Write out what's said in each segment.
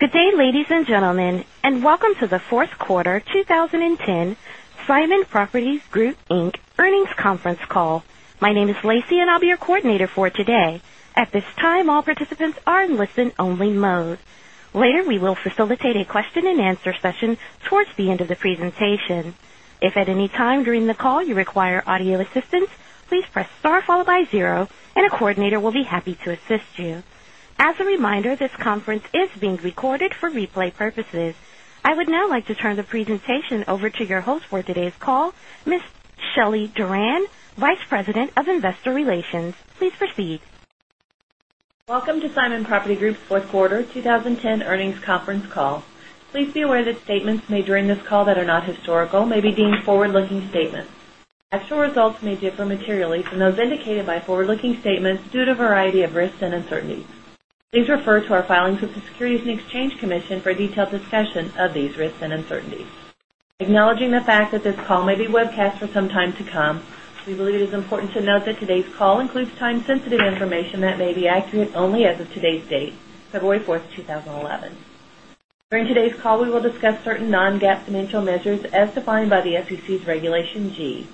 Good day, ladies and gentlemen, and welcome to the 4th Quarter 2010 Simon Properties Group Inc. Earnings Conference Call. My name is Lacey, and I'll be your coordinator for today. Answer session towards the end of the presentation. As a reminder, this conference is being recorded for replay purposes. I would now like to turn the presentation over to your host for today's call, Ms. Shelley Duran, Vice President of Investor Relations. Please proceed. Welcome to Simon Property Group's 4th quarter 2010 earnings conference call. Please be aware that statements made during this call that are not historical may be deemed forward looking statements. Actual results may differ materially from those indicated by forward looking statements due to a variety of risks and uncertainties. Please refer to our filings with the Securities and Exchange Commission for a detailed discussion of these risks and uncertainties. Acknowledging the fact that this call may be webcast for some time to come, we believe it is important to note that today's call includes time sensitive information that may be accurate only as of today's date, February 4, 2011. During today's call, we will discuss certain non GAAP financial measures as defined by the SEC's Regulation G.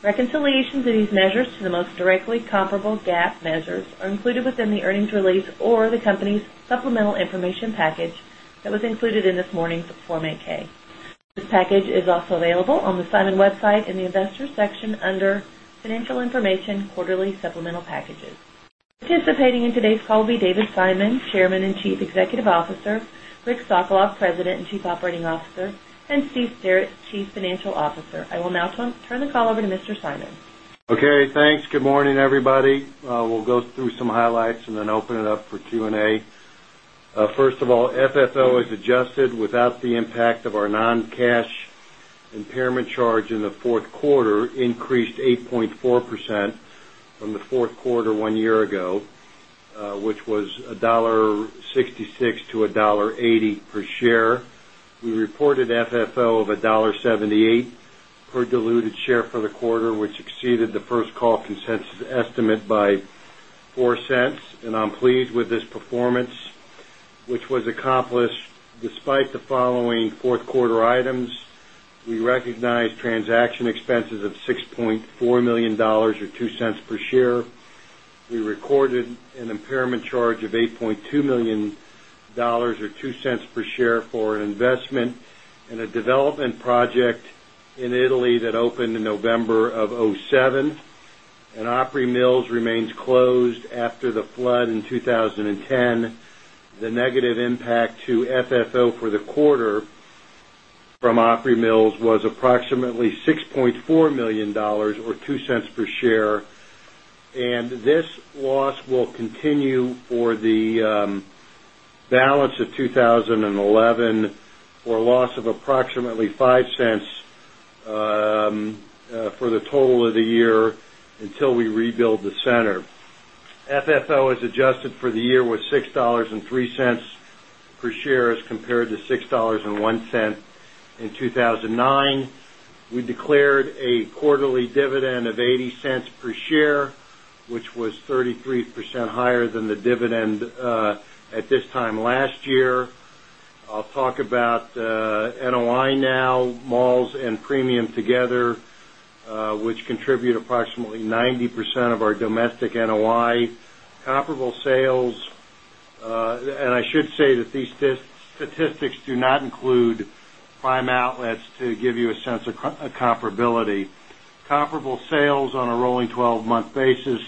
Reconciliations of these measures to the most directly comparable GAAP measures are included within the earnings release or the company's supplemental information package that was included in this morning's Form 8 ks. This package is also available on the Simon website in the Investors section under Financial Information Quarterly Supplemental Packages. Participating in today's call will be David Simon, Chairman and Chief Executive Officer Rick Sokoloff, President and Chief Operating Officer and Steve Stearitz, Chief Financial Officer. I will now turn the call over to Mr. Simon. Okay. Thanks. Good morning, everybody. We'll go through some highlights and then open it up for Q and A. First of all, FFO as adjusted without the impact of our non cash impairment charge in the Q4 increased 8.4% from the Q4 1 year ago, which was $1.66 to $1.80 per share. We reported FFO of $1.78 dollars per diluted share for the quarter, which exceeded the 1st call consensus estimate by $0.04 And I'm pleased with this performance, which was accomplished despite the following 4th quarter items. We recognized transaction expenses of $6,400,000 or 0 point per share. We recorded an impairment charge of $8,200,000 or $0.02 per share for an investment in a development project in Italy that opened in November of 'seven and Opry Mills closed after the flood in 2010. The negative impact to FFO for the quarter from Opry Mills was approximately $6,400,000 or $0.02 per share and this loss will continue for the balance of 2011 or loss of approximately $0.05 for the total of the year until we rebuild the center. FFO as adjusted for the year was $6.03 per share as compared to $6.01 in 2,009. We declared a quarterly dividend of $0.80 per share, which was 33% higher than the dividend at this time last year. I'll talk about NOI now, malls and premium together which contribute approximately 90% of our domestic NOI comparable sales. And I should say that these statistics do not include prime outlets to give you a sense of comparability. Comparable sales on a rolling 12 month basis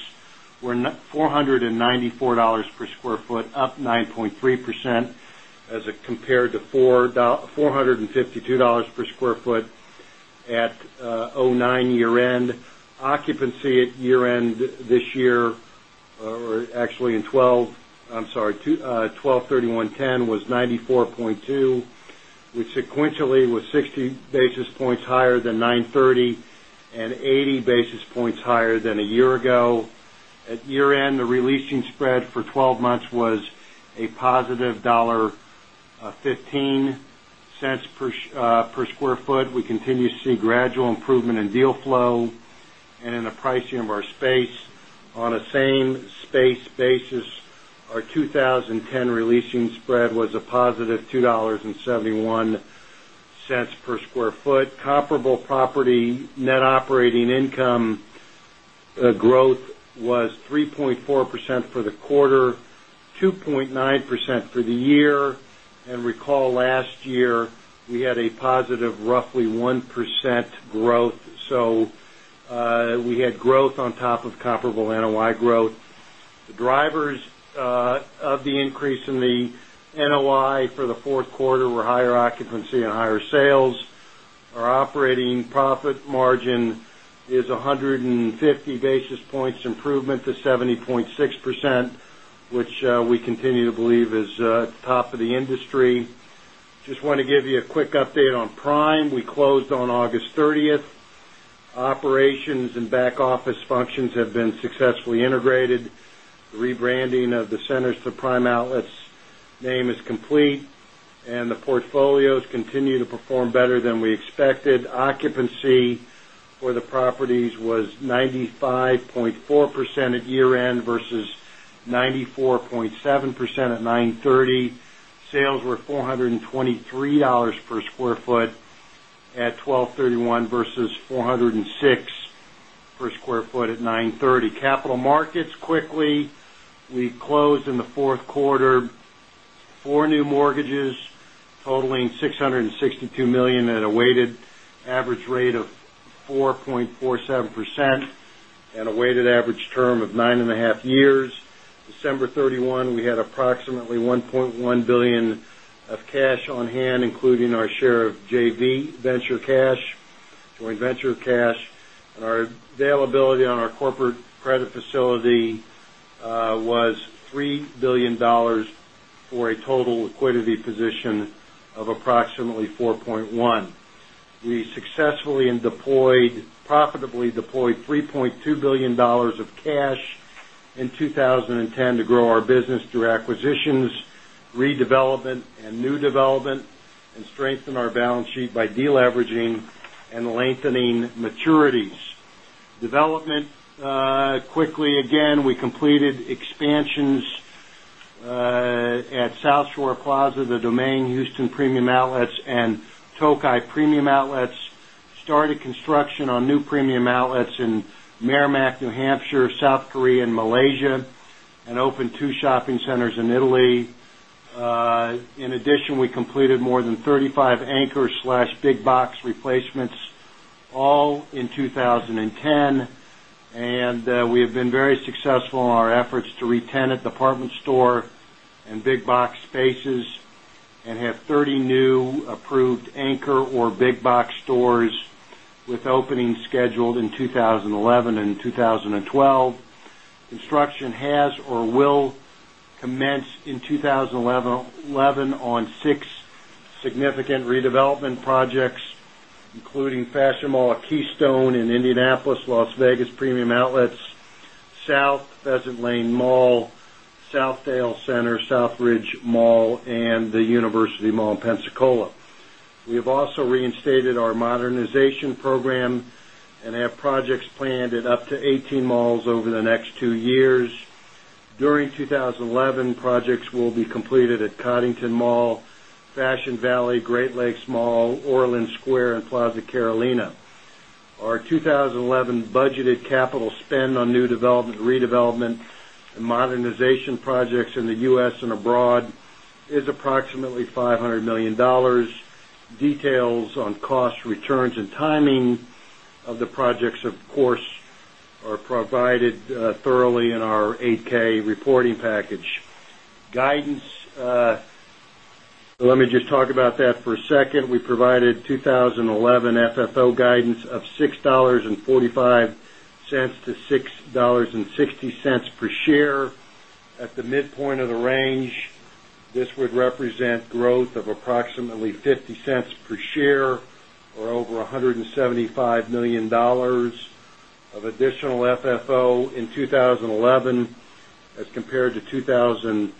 were $4.94 per square foot, up 9.3% as it compared to $4.52 per square foot at 2009 year end. Occupancy at year end this year or actually in 12 I'm sorry, twelvethirty oneten was 94.2 which sequentially was 60 basis points higher than ninethirty and 80 basis points higher than a year ago. At year end, the re leasing spread for 12 months was a positive 1 point $1.5 per square foot. We continue to see gradual improvement in deal flow and in the pricing of our space. On a same space basis, our 20 10 re leasing spread was a positive 2 point 7 $1 per square foot. Comparable property net operating income growth was 3 0.4% for the quarter, 2.9% for the year. And recall last year, we had a positive roughly 1% growth. So we had growth on top of comparable NOI growth. The drivers of the increase in the NOI for the Q4 were higher occupancy and higher sales. Our operating profit margin is 150 basis points improvement to 70.6%, which we continue to believe is top of the industry. Just want to give you a quick update on Prime. We closed on August 30. Operations and back office functions have been successfully integrated. The rebranding of the centers for Prime Outlets name is complete and the portfolios continue to perform better than we expected. Occupancy for the properties was 95.4 percent at year end versus 94.7 percent at ninethirty. Sales were $4.23 per square foot at twelvethirty one versus 406 per square foot at 9:30. Capital markets quickly, we closed in the 4th quarter 4 new mortgages totaling $662,000,000 at a weighted average rate of 4.47 percent and a weighted average term of 9.5 years. December 31, we had approximately $1,100,000,000 of cash on hand including our share of JV venture cash, joint venture cash and our availability on our corporate credit facility was $3,000,000,000 for a total liquidity position of approximately 4.1. We successfully and deployed profitably deployed $3,200,000,000 of cash in 20.10 to grow our business through acquisitions, 10 to grow our business through acquisitions, redevelopment and new development and strengthen our balance sheet by deleveraging and lengthening maturities. Development quickly again, we completed expansions at South Shore Plaza, The domain Houston Premium Outlets and Tokai Premium Outlets started construction on new premium outlets in Meramec, New Hampshire, South Korea and Malaysia and opened 2 shopping centers in Italy. In addition, we completed more than 35 AnchorBig Box replacements all in 2010. And we have been very successful in our efforts to re tenant department store and big box spaces and have 30 new approved anchor or big box stores with openings scheduled in 20112012. Construction has or will commence in 2011 on 6 significant redevelopment projects, including Fashion Mall at Keystone in Indianapolis, Las Vegas Premium Outlets, South Pheasant Lane Mall, South Dale Center, South Ridge Mall and the University Mall in Pensacola. We have also reinstated our modernization program and have projects planned at up to 18 malls over the next 2 years. During 2011, projects will be completed at Coddington Mall, Fashion Valley, Great Lakes Mall, Orlin Square and Plaza Carolina. Our 20 11 budgeted capital spend on new development, redevelopment and modernization projects in the U. S. And abroad is approximately $500,000,000 Details on cost returns and timing of the projects of course are provided thoroughly in our 8 ks reporting package. Guidance, let me just talk about that for a second. We provided 2011 FFO guidance of 6.45 dollars to $6.60 per share at the midpoint of the range. This would represent growth of approximately $0.50 per share or over $175,000,000 of additional FFO in 2011 as compared to 20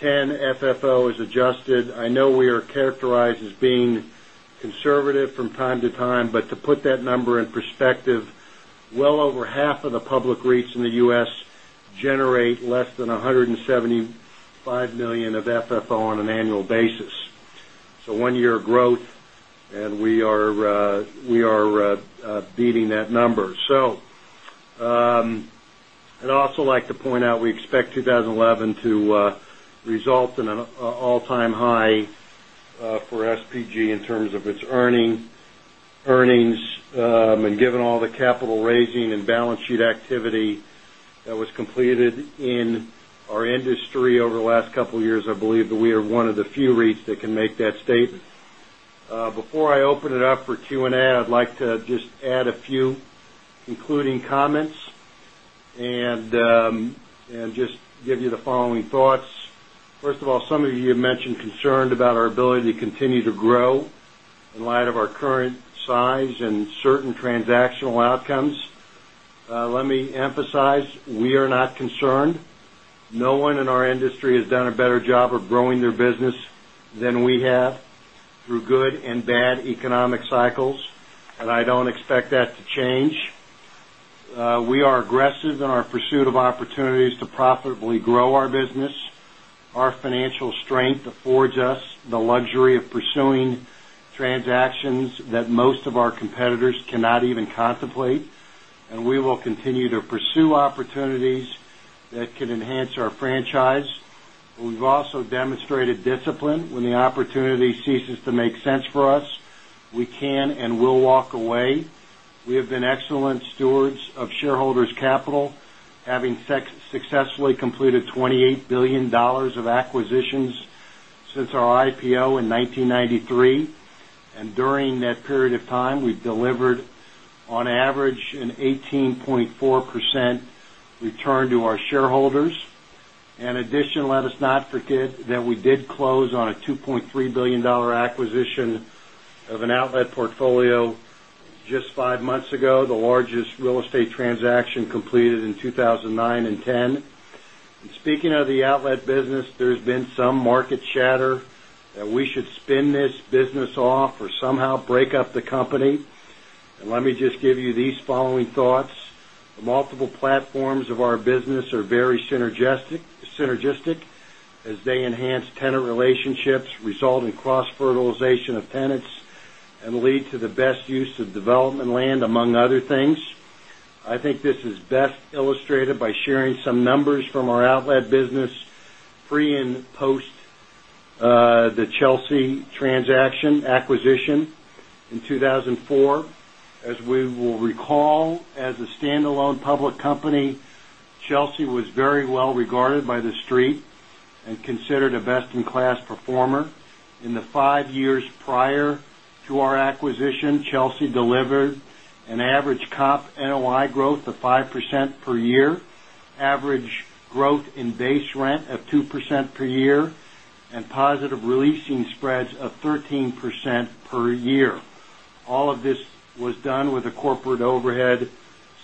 170 $5,000,000 of FFO on an annual basis. So 1 year of growth and we are beating that number. So I'd also like to point out we expect 2011 to result in an all time high for SPG in terms of its earnings and given all the capital raising and balance sheet activity that was completed in our industry over the last couple of years, I believe that we are one of the few REITs that can make that statement. Before I open it up for Q and A, I'd like to just add a few including comments and just give you the following thoughts. First of all, some of you have mentioned concerned about our ability to continue to grow in light of our current size and certain transactional outcomes. Let me emphasize, we are not concerned. No one in our industry has done a better job of growing their business than we have through good and bad economic cycles and I don't expect that to change. We are aggressive in our pursuit of opportunities to profitably grow our business. Our financial strength affords us the luxury of pursuing transactions that most of our competitors cannot even contemplate, and we will continue to pursue opportunities that could enhance our franchise. We've also demonstrated discipline when the opportunity ceases to make sense for us. We can and will walk away. We have been excellent stewards of shareholders' capital having successfully completed $28,000,000,000 of acquisitions since our IPO in 1993. And during that period of time, we've delivered on average an 18.4% return to our shareholders. In addition, let us not forget that we did close on a $2,300,000,000 acquisition of an outlet portfolio just 5 months ago, the largest real estate transaction completed in 2,009 2010. And speaking of the outlet business, there's been some market shatter that we should spin this business off or somehow break up the company. And let me just give you these following thoughts. The multiple platforms of our business are very synergistic as they enhance relationships, result in cross fertilization of tenants and lead to the best use of development land among other things. I think this is best illustrated by sharing some numbers from our outlet business pre and post the Chelsea transaction acquisition in 2004. As we will recall, as a standalone public company, Chelsea was very well regarded by The Street and considered a best in class performer. In the years prior to our acquisition, Chelsea delivered an average comp NOI growth of 5% per year, average growth in base rent of 2% per year and positive releasing spreads of 13% per year. All of this was done with a corporate overhead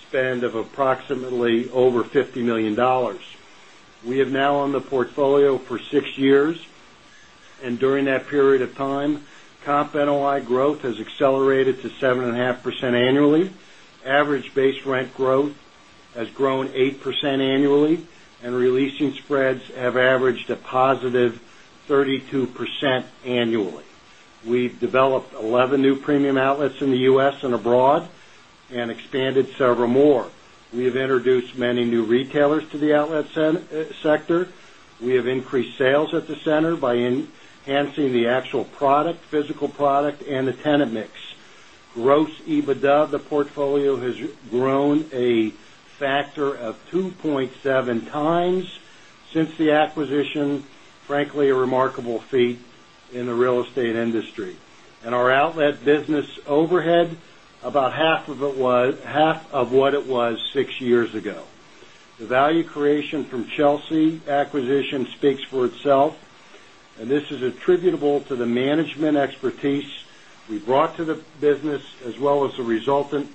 spend of approximately over $50,000,000 We have now owned the portfolio for 6 years. And during that period of time, comp NOI growth has accelerated to 7.5% annually. Average base rent growth has grown 8% annually and re leasing spreads have averaged a positive 32% annually. We've developed 11 new premium outlets in the U. S. And abroad and expanded several more. We have introduced many new retailers to the outlet sector. We have increased sales at the center by enhancing the actual product, physical product and the tenant mix. Gross EBITDA of the portfolio has grown a factor of 2.7x since the acquisition, frankly a remarkable feat in the real estate industry. And our outlet business overhead, about half of what it was 6 years ago. The value creation from Chelsea acquisition speaks for itself and this is attributable to the management expertise we brought to the business as well as the resultant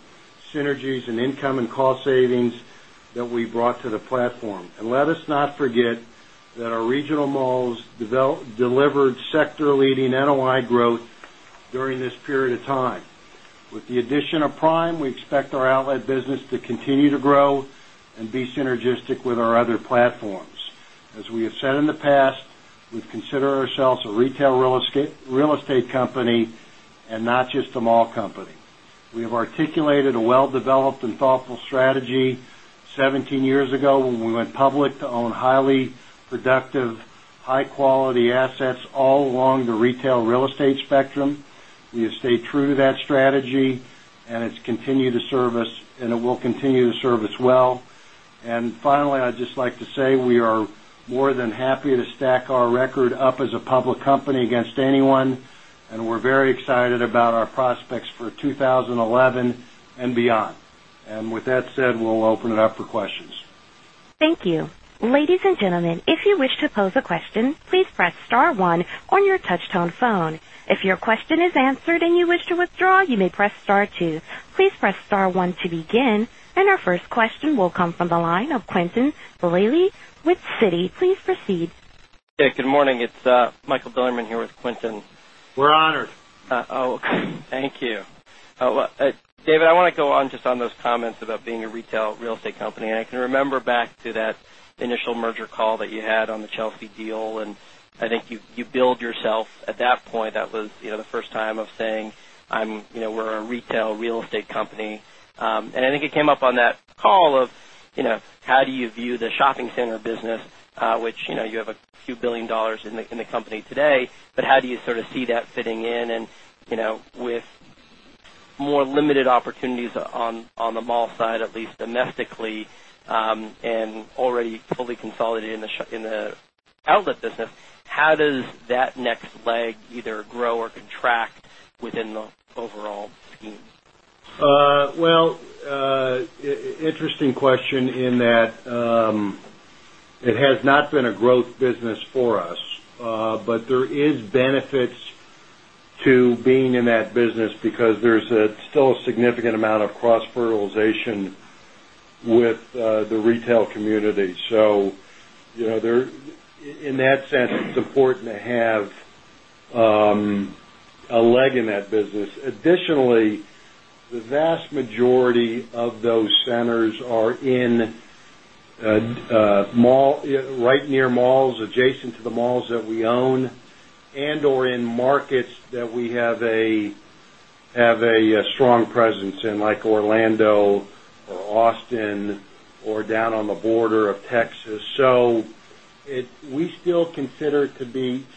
synergies and income and cost savings that we brought to the platform. And let us not forget that our regional malls delivered sector leading NOI growth during this period of time. With the addition of Prime, we expect our outlet business to continue to grow and be synergistic with our other platforms. As we have said in the past, we've considered ourselves a retail real estate company and not just a mall company. We have articulated a well developed and thoughtful strategy 17 years ago when we went public to own highly productive high quality assets all along the retail real estate spectrum. We have stayed true to that strategy and it's continued to serve us and it will continue to serve us well. And finally, I'd just like to say we are more than happy to stack our record up as a public company against anyone and we're very excited about our prospects for 2011 beyond. And with that said, we'll open it up for questions. Thank And our first question will come from the line of Quentin Belay with Citi. Please proceed. Hey, good morning. It's Michael Bilerman here with Quentin. We're honored. Thank you. David, I want to go on just on those comments about being a retail real estate company. I can remember back to that initial merger call that you had on the Chelsea deal and I think you build yourself at that point. That was the first time of saying, I'm we're a retail real estate company. And I think it came up on that call of how do you view the shopping center business, which you have a few $1,000,000,000 in the company today, but how do you sort of see that fitting in? And with more limited opportunities on the mall side at least domestically and already fully consolidated in the outlet business, how does that next leg either grow or contract within the overall scheme? Well, interesting question in that it has not been a growth for us, but there is benefits to being in that business because there's still a significant amount of cross fertilization with the retail community. So, in that sense, it's important to have a leg in that business. Additionally, the vast majority of those centers are in mall right near malls, adjacent to the malls that we own and or in markets that we have a strong synergistic. We've never been that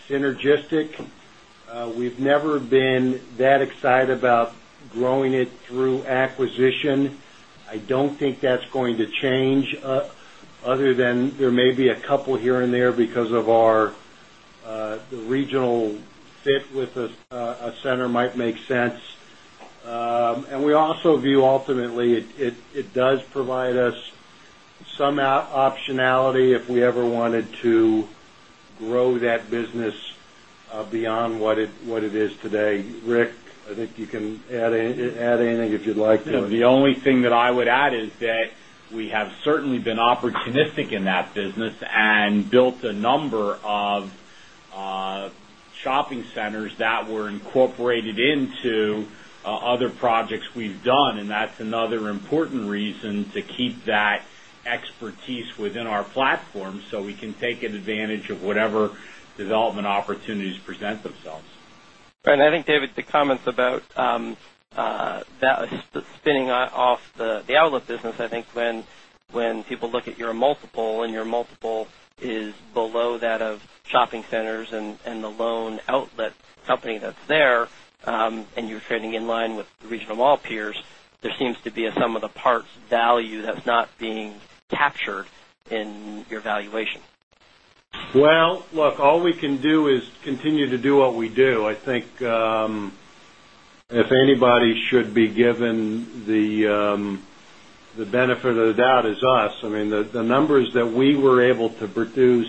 synergistic. We've never been that excited about growing it through acquisition. I don't think that's going to change other than there may be a couple here and there because of our regional fit with a center might make sense. And we also view ultimately it does provide us some optionality if we ever anything anything if you'd like to. The only thing that I would add is that we have certainly been opportunistic in that business and built a number of shopping centers that were incorporated into other projects we've done. And that's another important reason to keep that expertise within our platform, so we can take advantage of whatever development opportunities present themselves. And I think David the comments about that spinning off the outlet business, I think when people look at your multiple and your multiple is below that of shopping centers and the loan outlet company that's there, and you're trading in line with regional mall peers, there seems to be a sum of the parts value that's not being captured in your valuation. Well, look, all we can do is continue do what we do. I think if anybody should be given the benefit of the doubt is us. I mean the numbers that we were able to produce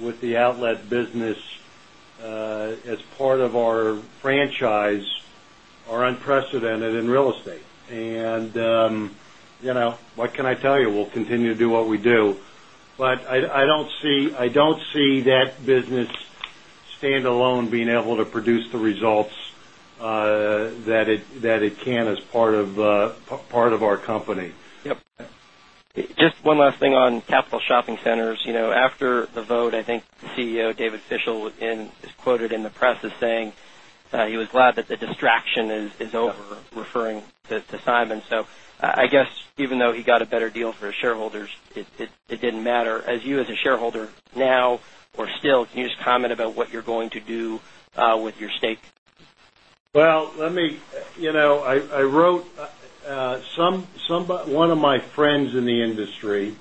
with the outlet business as part of our franchise are unprecedented in real estate. And what can I tell you, we'll continue to do what we do? But I don't see that business standalone being able to produce the results that it can as part of our company. Just one last thing on capital shopping centers. After the vote, I think CEO David Fischel is quoted in the press as saying he was glad that the distraction is over referring to Simon. So I guess even though he got a better deal for his shareholders, it didn't matter. As you as a shareholder now or still can you just comment about what you're going to do with your stake? Well, let me I wrote one of my friends in the industry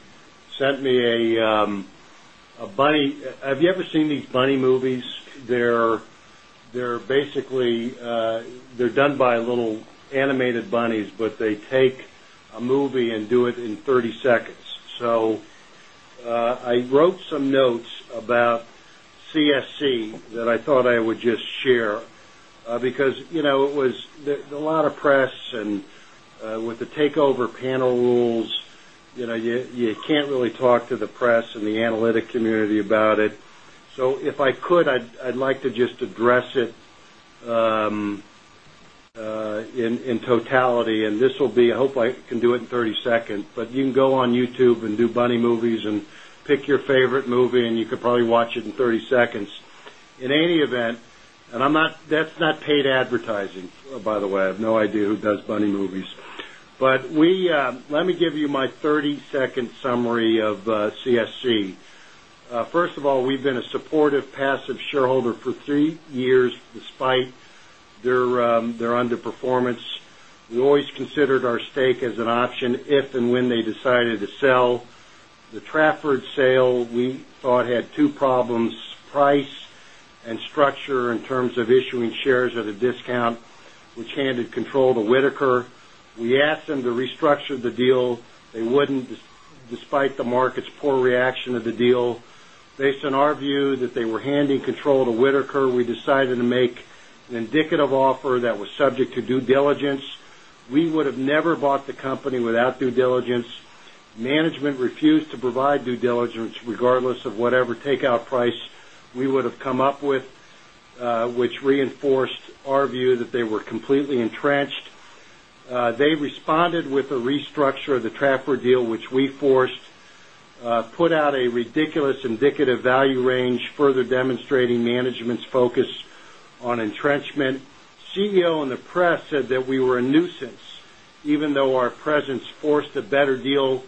sent me a bunny. Have you ever seen these bunny movies? They're basically they're done by little CSC that I thought I would just share because CSC that I thought I would just share because it was there's a lot of press and with the takeover panel rules, you can't really talk to the press and the analytic community about it. So if I could, I'd like to just address it in totality and this will be I hope I can do it in 30 seconds, but you can go on YouTube and do Bunny movies and pick your favorite movie and you could probably watch it in 30 seconds. In any event, and I'm not that's not paid advertising by the way, I have no idea who does Bunny movies. But we let me give you my 32nd summary of CSC. First of all, we've been a supportive passive shareholder for 3 years despite their underperformance. We always considered our stake as an option if and when they decided to sell. The Trafford sale, we thought had 2 problems, price and structure in terms of issuing shares at a discount, which handed control to Whitaker. We asked them to restructure the deal. They wouldn't despite the market's poor reaction of the deal. Based on our view that they were handing control to Whitaker, we decided to make an indicative offer that was subject to due diligence. We would have never bought the company without due diligence. Management refused to provide due diligence regardless of whatever takeout price we would have come up with, which reinforced our view that they were completely entrenched. They responded with a restructure of the Trapper deal, which we forced, put out a ridiculous indicative value range further demonstrating management's focus on entrenchment. CEO in the press said that we were a nuisance even though our presence forced a better deal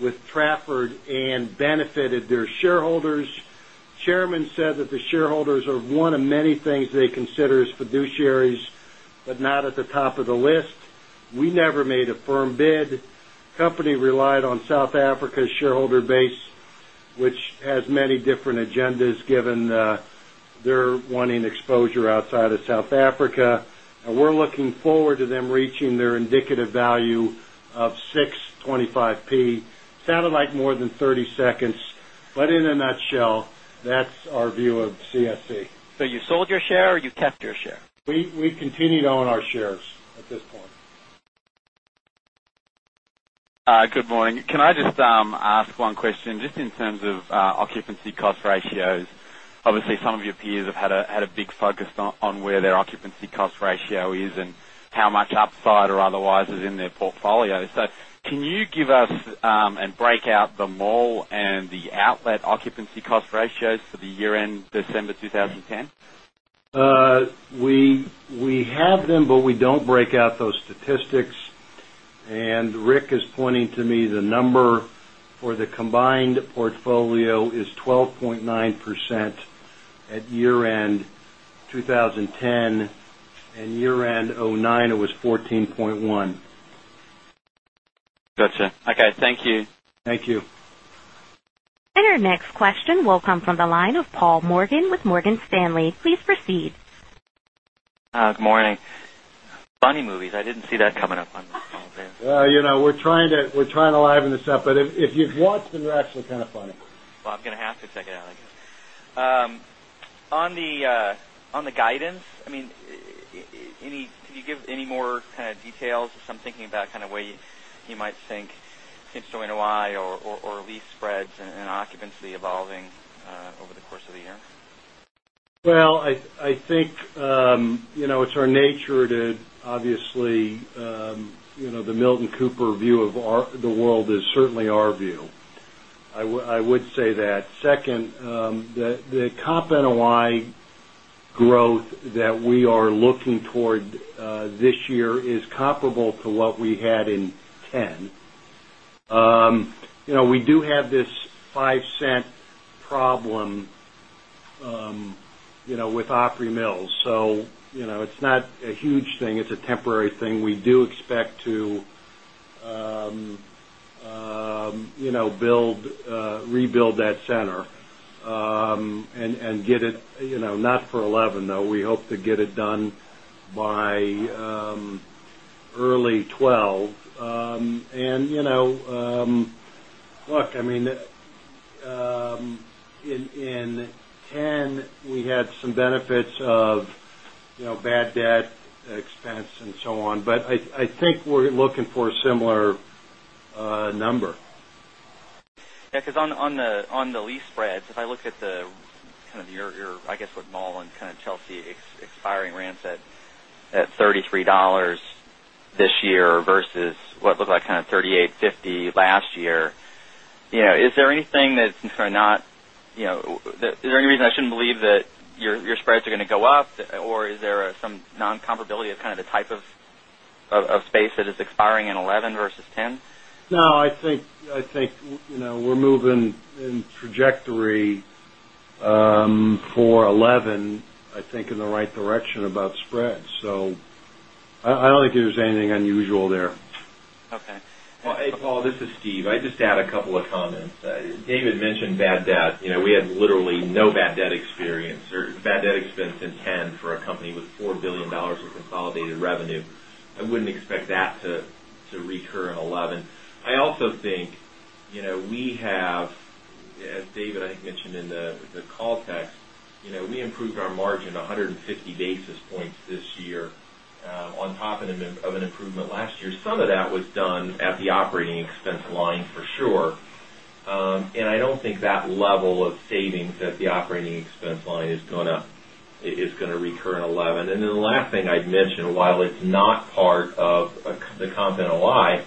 with Trafford and benefited their shareholders. Chairman said that the shareholders are one of many things they consider as fiduciaries, but not at the top of the list. We never made a firm bid. Company relied on South Africa's shareholder base, which has many different agendas given they're wanting exposure outside of South Africa. And we're looking forward to them reaching their indicative value of 6.25p. Sounded like more than 30 seconds, but in a nutshell, that's our view of CSC. So you sold your share or you kept your share? We continue to own our shares at this point. Good morning. Can I just ask one question just in terms of occupancy cost ratios? Obviously, some of your peers have had a big focus on where their occupancy cost ratio is and how much upside or otherwise is in their portfolio. So can you give us and break out the mall and the outlet occupancy cost ratios for the year end December 2010? We have them, but we don't break out those statistics. And Rick is pointing to me the number for the combined portfolio is 12.9% at year end 2010 and year end 2009 it was 14.1%. Got you. Okay. Thank you. Thank you. And our next question will come from the line of Paul Morgan with Morgan Stanley. Please proceed. Good morning. Funny movies, I didn't see that coming up on this. We're trying to liven this up, but if you've watched them, they're actually kind of funny. Well, I'm going to have to take it out, I guess. On the guidance, I mean, any can you give any more kind of details, some thinking about kind of way you might think NOI or lease spreads and occupancy evolving over the course of the year? Well, I think it's our nature to obviously the Milton Cooper view of the world is certainly our view. I would say that. 2nd, the comp NOI growth that we are looking toward this year is comparable to what we had in 'ten. We do have this $0.05 problem with Opry Mills. So it's not a huge thing. It's a temporary thing. We do expect build rebuild that center and get it not for 11 though. We hope to get it done by early 12. And look, I mean, in 'ten, we had some benefits of bad debt expense and so on. But I think we're looking for a similar number. Yes, because on the lease spreads, if I look at the kind of your, I guess, what mall and kind of Chelsea expiring rents at $33 this year versus what looked like kind of $38.50 last year. Is there anything that since we're not is there any reason I shouldn't believe that your spreads are going to go up? Or is there some non comparability of kind of the type of space that is expiring in 'eleven versus 'ten? No, I think we're moving in trajectory for 11, I think in the right direction about spreads. So I don't think there's anything unusual there. Okay. Paul, this is Steve. I'd just add a couple of comments. David mentioned bad debt. We had literally no bad debt experience or bad debt expense in 10 for a company with $4,000,000,000 of consolidated revenue. I wouldn't expect that to recur in 'eleven. I also think we have as David, I think mentioned in the call text, we improved our margin 150 basis points this year on top of an improvement last year. Some of that was done at the operating expense line for sure. And I don't think that level of savings at the operating expense line is going to recur in $11,000,000 And then the last thing I'd mention, while it's not part of the comp NOI,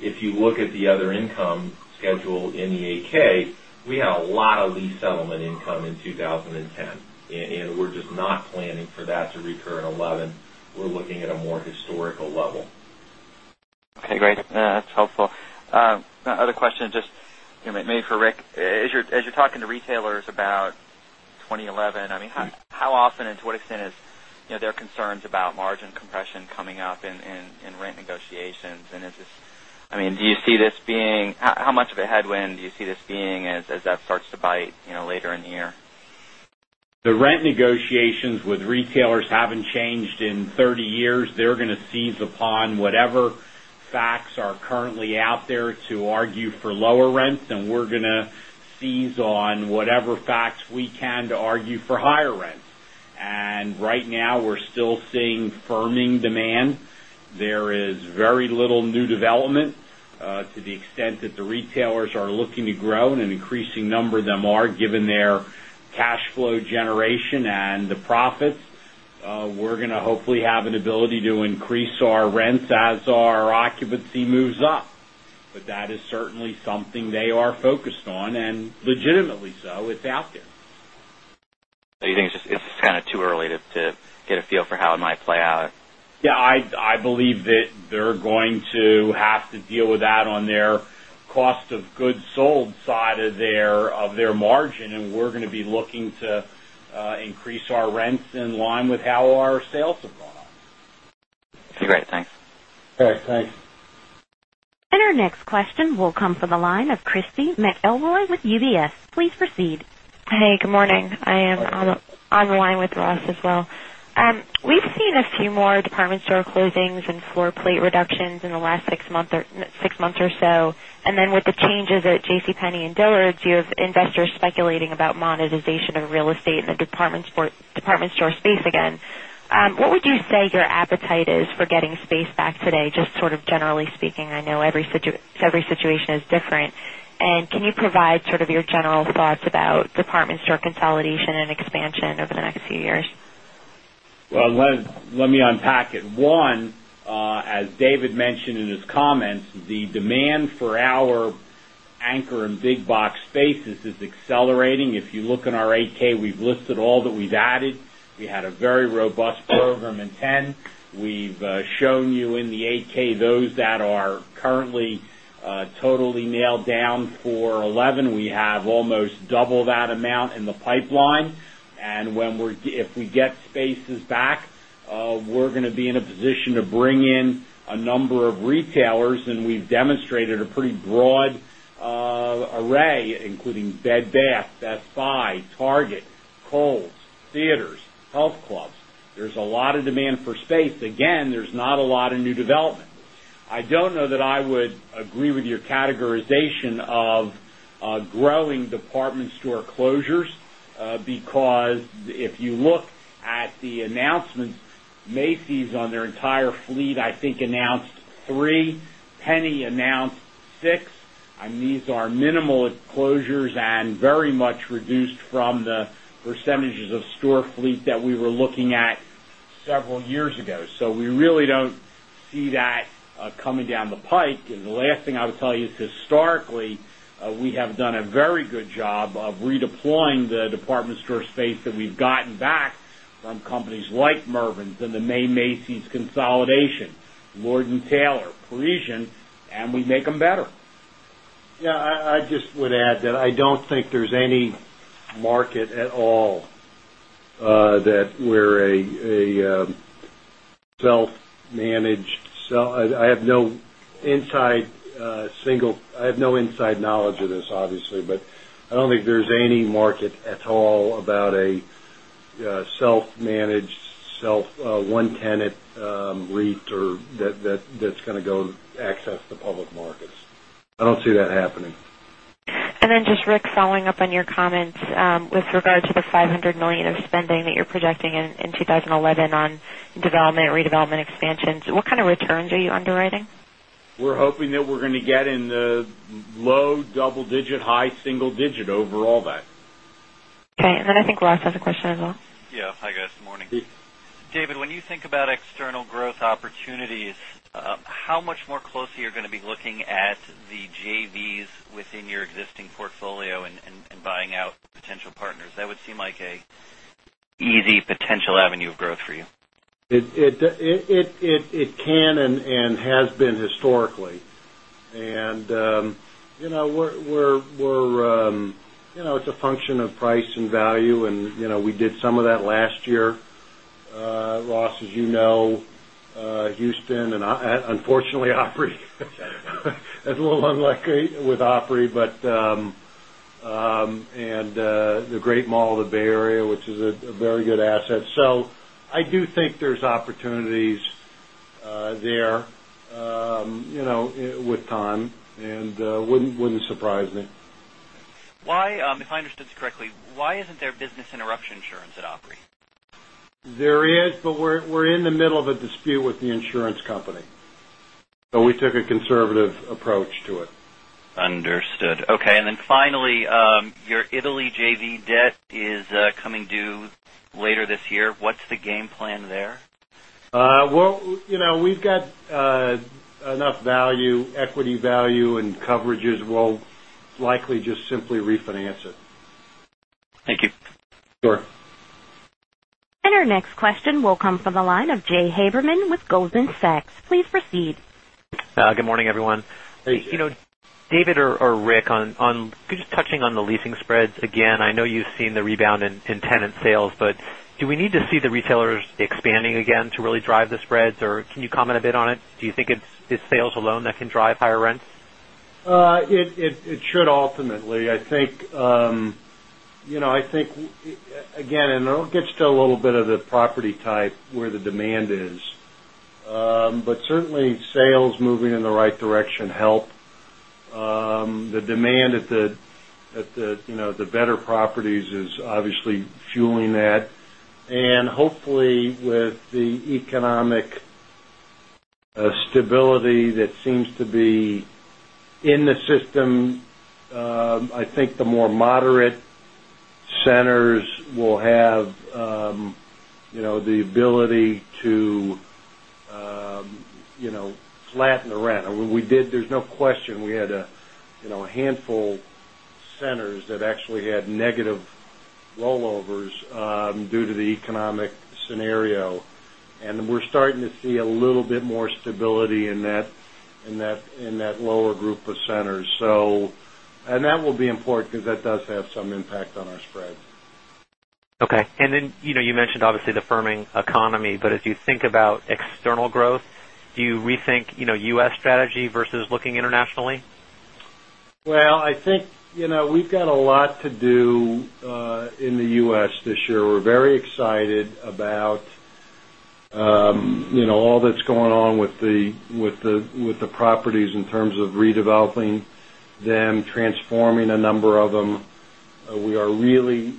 if you look at the other income schedule in the 8 ks, we had a lot of lease settlement income in 2010. And we're just not planning for that to recur in 2011. We're looking at a more historical level. Okay, great. That's helpful. Other question just maybe for Rick. As you're talking to retailers about 2011, I mean, how often and to what extent is their concerns about margin compression coming up in rent negotiations? And is this I mean, do you see this being how much of a headwind do you see this being as that starts to bite later in the year? The rent negotiations with retailers haven't changed in 30 years. They're going to seize upon whatever facts are currently out there to argue for lower rents and we're going to seize on whatever facts we can to argue for higher rents. And right now, we're still seeing firming demand. There is very little new development to the extent that the retailers are looking to grow and an increasing number of them are given their cash flow generation and the profits. We're going to hopefully have an ability to increase our rents as our occupancy moves up. But that is certainly something they are focused on and legitimately so it's out there. So you think it's just kind of too early to get a feel for how it might play out? Yes. I believe that they're going to have to deal with that on their cost of goods sold side of their margin, and we're And our next question will come from the line of Christy McElroy with UBS. Please proceed. Hey, good morning. I am on the line with Ross as well. We've seen a few more department store closings and floor plate reductions in the last 6 months or so? And then with the changes at JCPenney and Dillard's, you have investors speculating about monetization of real estate in the department store space again. What would you say your appetite is for getting space back today just sort of generally speaking? I know every situation is different. And can you provide sort of your general thoughts about department store consolidation and expansion over the next few years? Well, let me unpack it. 1, as David mentioned in his comments, the demand for our anchor and big box spaces is accelerating. If you look in our 8 ks, we've listed all that we've added. We had a very robust program in 10. We've shown you in the 8 ks those that are currently totally nailed down for 11. We have almost double that amount in the pipeline. And when we're if we get spaces back, we're going to be in a position to bring in a number of retailers, and we've demonstrated a pretty broad array, including Bed Bath, Best Buy, Target, Kohl's, theaters, health clubs, there's a lot of demand for space. Again, there's not a lot of new development. I don't know that I would agree with your categorization of announcements, Macy's on their entire fleet, I think, announced 3. Penny announced 6. And these are minimal closures and very much reduced from the percentages of store fleet that we were looking at several years ago. So we really don't see that coming down the pike. May Macy's consolidation, Lord and Taylor, Parisian, and we make them better. Yes. I just would add that I don't think there's any market at all that we're a self managed I have no inside knowledge of this obviously, but I don't think there's any market at all about a self managed, go access the public markets. I don't see that happening. And then just Rick following up on your comments with regard to the $500,000,000 of spending that you're projecting in 2011 on development, redevelopment expansions. What kind of returns are you underwriting? We're hoping that we're going to get in the low double digit, high single digit over all that. Okay. And then I think Ross has a question as well. Yes. Hi, guys. Good morning. David, when you think about external growth opportunities, how much more closely you're going to be looking at the JVs within your existing portfolio and buying out potential partners that would seem like a easy potential avenue of growth for you? It can and has been historically. And we're it's a function of price and value and we did some of that last year. Ross, as you know, Houston and unfortunately Opry, that's a little unlikely with Opry, but and the Great Mall of the Bay Area, which is a very good asset. So I do think there's opportunities there with time and wouldn't surprise me. Why if I understood this correctly, why isn't there business interruption insurance at Opry? There is, but we're in the middle of a dispute with the insurance company. So we took a conservative approach to it. Understood. Okay. And then finally, your Italy JV debt is coming due later this year. What's the game plan there? Well, we've got enough value, equity value and coverages. We'll likely just simply refinance it. Thank you. Sure. And our next question will come from the line of Jay Haberman with Goldman Sachs. Please proceed. Good morning, everyone. David or Rick, on just touching on the leasing spreads again, I know you've seen the rebound in tenant sales, but do we need to see the retailers expanding again to really drive the spreads or can you comment a bit on it? Do you think it's sales alone that can drive higher rents? It should ultimately. I think again, and it'll get still a little bit of the property type where the demand is. But certainly, sales moving in the right direction help. The demand at the better properties is obviously fueling that. And hopefully with the economic stability that seems to be in the system, I think the more moderate centers will have the ability to flatten the rent. We did, there's no question we had a handful centers that actually had negative rollovers due to the economic scenario. And we're starting to see a little bit more stability in that lower group of centers. So and that will be important because that does have some impact on our spreads. Okay. And then you mentioned obviously the firming economy, but as you think about external growth, you rethink U. S. Strategy versus looking internationally? Well, I think we've got a lot to do in the U. This year. We're very excited about all that's going on with the properties in terms of redeveloping them, transforming a number of them, we are really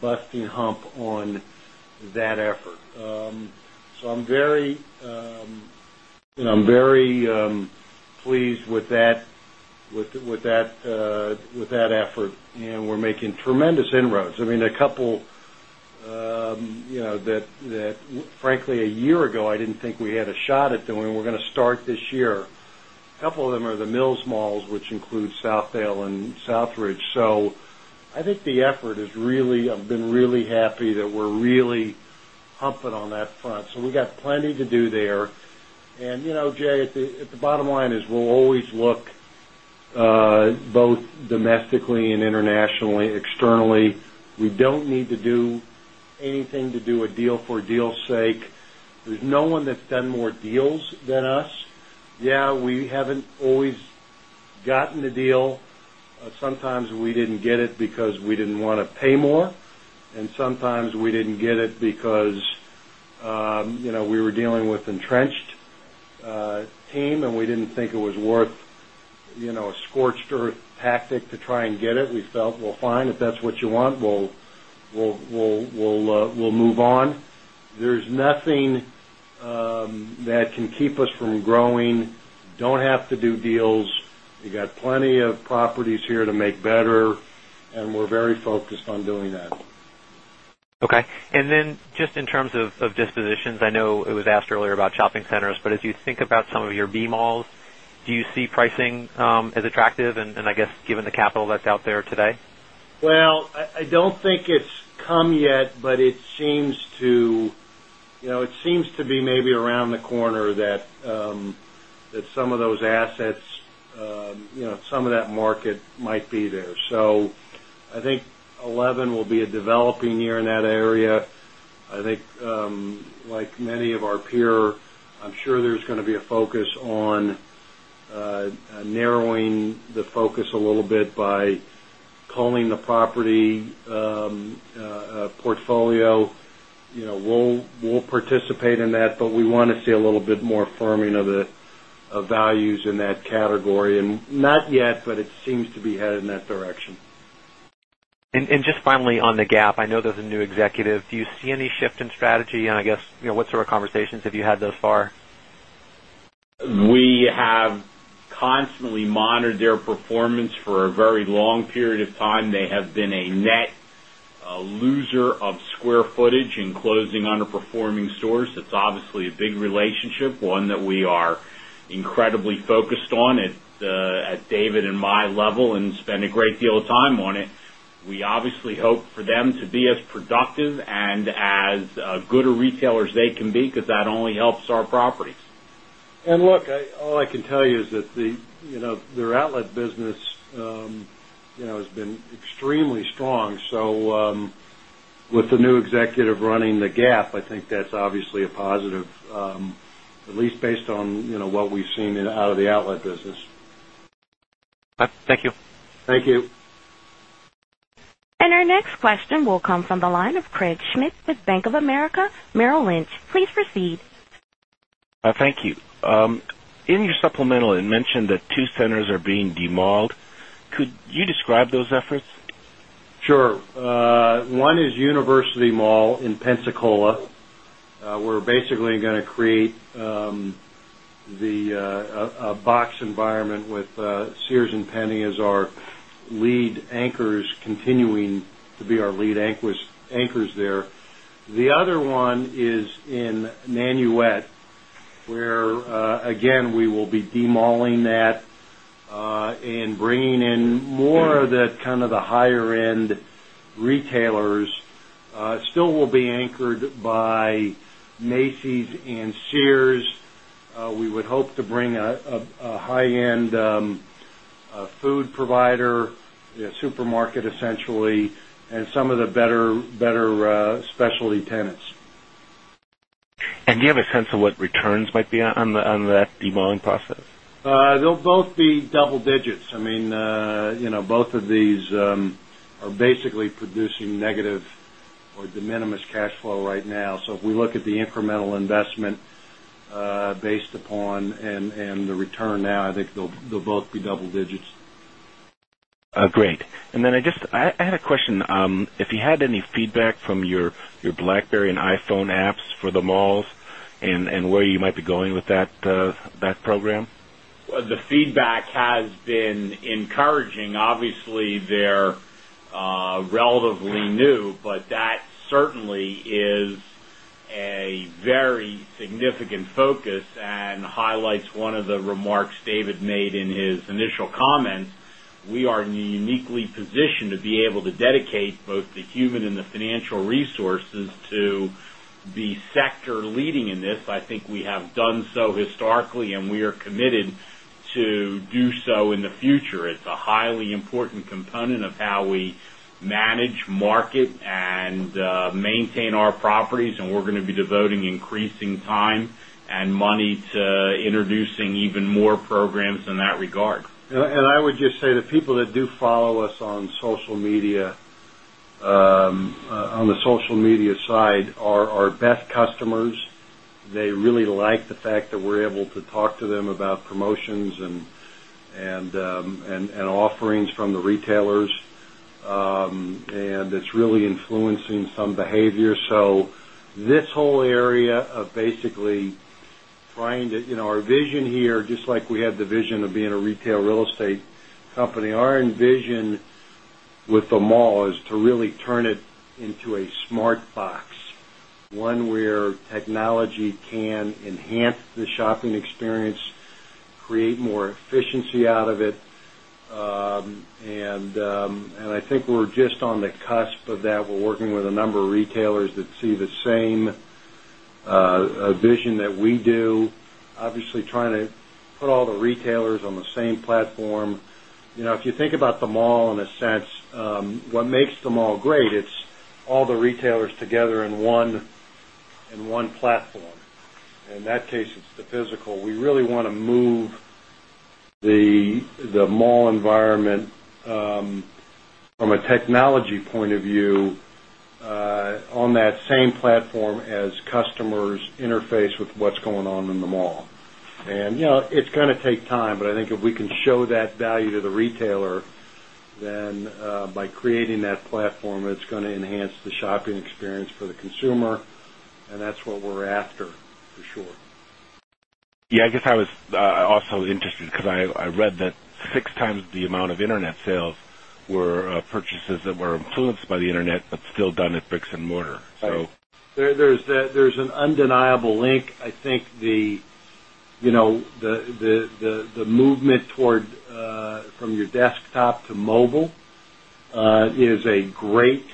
busting hump on that effort. So I'm very pleased with that effort and we're making tremendous inroads. I mean a couple that frankly, a year ago, I didn't think we had a shot at them and we're going to start this year. Couple of them are Mills malls, which include South Dale and Southridge. So I think the effort is really I've been really happy that we're really pumping on that front. So we've got plenty to do there. And Jay, the bottom line is we'll always look both domestically and internationally, externally. We don't need to do anything to do a deal for deal sake. There's no one that's done more deals than us. Yes, we haven't always gotten the deal. Sometimes we didn't get it because we didn't want to pay more and sometimes we didn't get it because we were dealing with entrenched team and we didn't think it was worth a scorched earth tactic to try and get it. We felt we'll find if that's what you want, we'll move on. There's nothing that can keep us from growing, don't have to do deals. We got plenty of properties here to make better and we're very focused on doing that. Okay. And then just in terms of dispositions, I know it was asked earlier about shopping centers, but as you think about some of your B malls, do you see pricing as attractive and I guess given the capital that's out there today? Well, I don't think it's come yet, but it seems to be maybe around the corner that some of those assets, some of that market might be there. So I think 'eleven will be a developing year in that area. I think like many of our peer, I'm sure there's going to be a focus on narrowing the focus a little bit by calling the property portfolio. We'll participate in that, but we want to see a little bit more firming of the values in that category and not yet, but it seems to be headed in that direction. And just finally on the Gap, I know there's a new executive, do you see any shift in strategy and I guess what sort of conversations have you had thus far? We have constantly monitored their performance for a very period of time. They have been a net loser of square footage in closing underperforming stores. It's obviously a big relationship, one that we are incredibly focused on at David and my level and spend a great deal of time on it. We obviously hope for them to be as productive and as good a retailer as they can be because that only helps our properties. And look, all I can tell you is that the their outlet business has been extremely strong. So with the new executive running the GAAP, I think that's obviously a positive, at least based on what we've seen in out of the outlet business. Thank you. Thank you. And our next question will come from the line of Craig Schmidt with Bank of America Merrill Lynch. Please proceed. Thank you. In your supplemental, you mentioned that 2 centers are being demalled. Could you describe those efforts? Sure. 1 is University Mall in Pensacola. We're basically going to create the box environment with Sears and Penney as our lead anchors continuing to be our lead anchors there. The other one is in Nanuet where again, we will be demalling that and bringing in more of that kind of the higher end retailers, still will be anchored by Macy's and Sears. We would hope to bring a high end food provider, supermarket essentially and some of the better specialty tenants. And do you have a sense of what returns might be on that demodeling process? They'll both be double digits. I mean both of these are basically producing negative or de minimis cash flow right now. So if we look at the incremental investment based upon and the return now, I think they'll both be double digits. Great. And then I just I had a question, if you had any feedback from your BlackBerry and iPhone apps for the malls and where you might be going with that program? The feedback has been encouraging. Obviously, they're relatively new, but that certainly is a very significant focus and highlights one of the remarks David made in his initial comments, we are uniquely positioned to be able to dedicate both the human and the financial resources to the sector leading in this. I think we have done so historically and we are committed to do so in the future. It's a highly important component of how we manage market and maintain our properties and we're going to be devoting increasing time and money to introducing even more programs in that regard. And I would just say that people that do follow us on social media, on the social media side are our best customers. They really like the fact that we're able to talk to them about promotions and offerings from the retailers. And it's really influencing some behavior. So this whole area of basically trying to our vision here, just like we had the vision of being a retail real estate company, our envision with the mall is to really turn it into a smart box, one where technology can enhance the shopping experience, create more efficiency out of it. And I think we're just on the cusp of that. We're working with a number of retailers that see the same vision that we do, obviously trying to put all the retailers on the same platform. If you think about the mall in a sense, what makes the mall great, it's all the retailers together in one platform. In that case, it's the physical. We really want to move the mall environment from a technology point of view on that same platform as customers interface with what's going on in the mall. And it's going to take time, but I think if we can show that value to the retailer, then by creating that platform, it's going to enhance the shopping experience for the consumer, and that's what we're after for sure. Yes. I guess I was also interested because I read that 6 times the amount of Internet sales were purchases that were influenced by the Internet, but still done at bricks and mortar. There's an undeniable link. I think the movement toward from your desktop to mobile is a great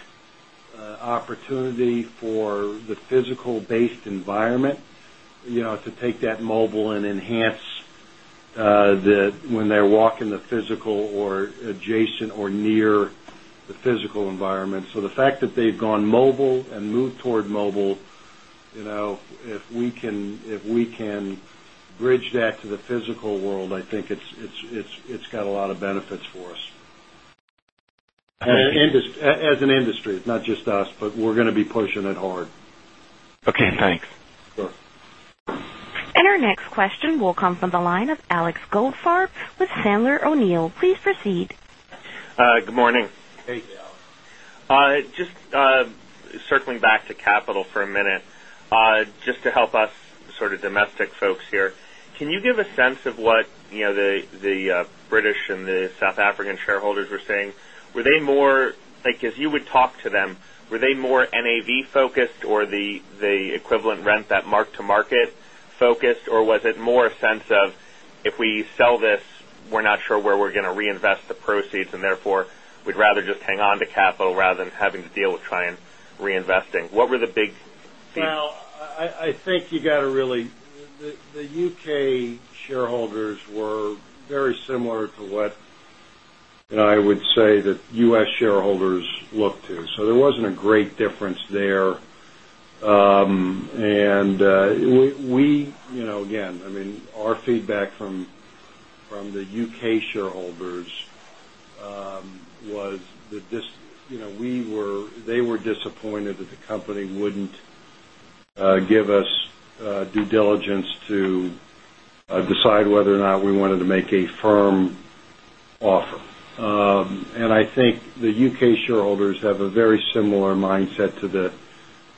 opportunity for the physical based environment to take that mobile and enhance that when they're walking the physical or adjacent or near the physical environment. So the fact that they've gone mobile and moved toward mobile, if we can bridge that to the physical world, I think it's got a lot of benefits for us. As an industry, it's not just us, but we're going be pushing it hard. Okay, thanks. And our next question will come from the line of Alex Goldfarb with Sandler O'Neill. Please proceed. Good morning. Hey, Alex. Just circling back to capital for a minute, just to help us sort British and the South African shareholders were saying? Were they more like as you would talk to them, were they more NAV we're not sure where we're going to reinvest the proceeds and therefore we'd rather just hang on to capital rather than having to deal with trying reinvesting. What were the big themes? Well, I think you got to really the U. K. Shareholders were very similar to what I would say that U. S. Shareholders look to. So there wasn't a great difference there. And we again, I mean, our feedback from the UK shareholders was that this we were they were disappointed that the company wouldn't give us due diligence to decide whether or not we wanted to make a firm offer. And I think the U. Have a very similar mindset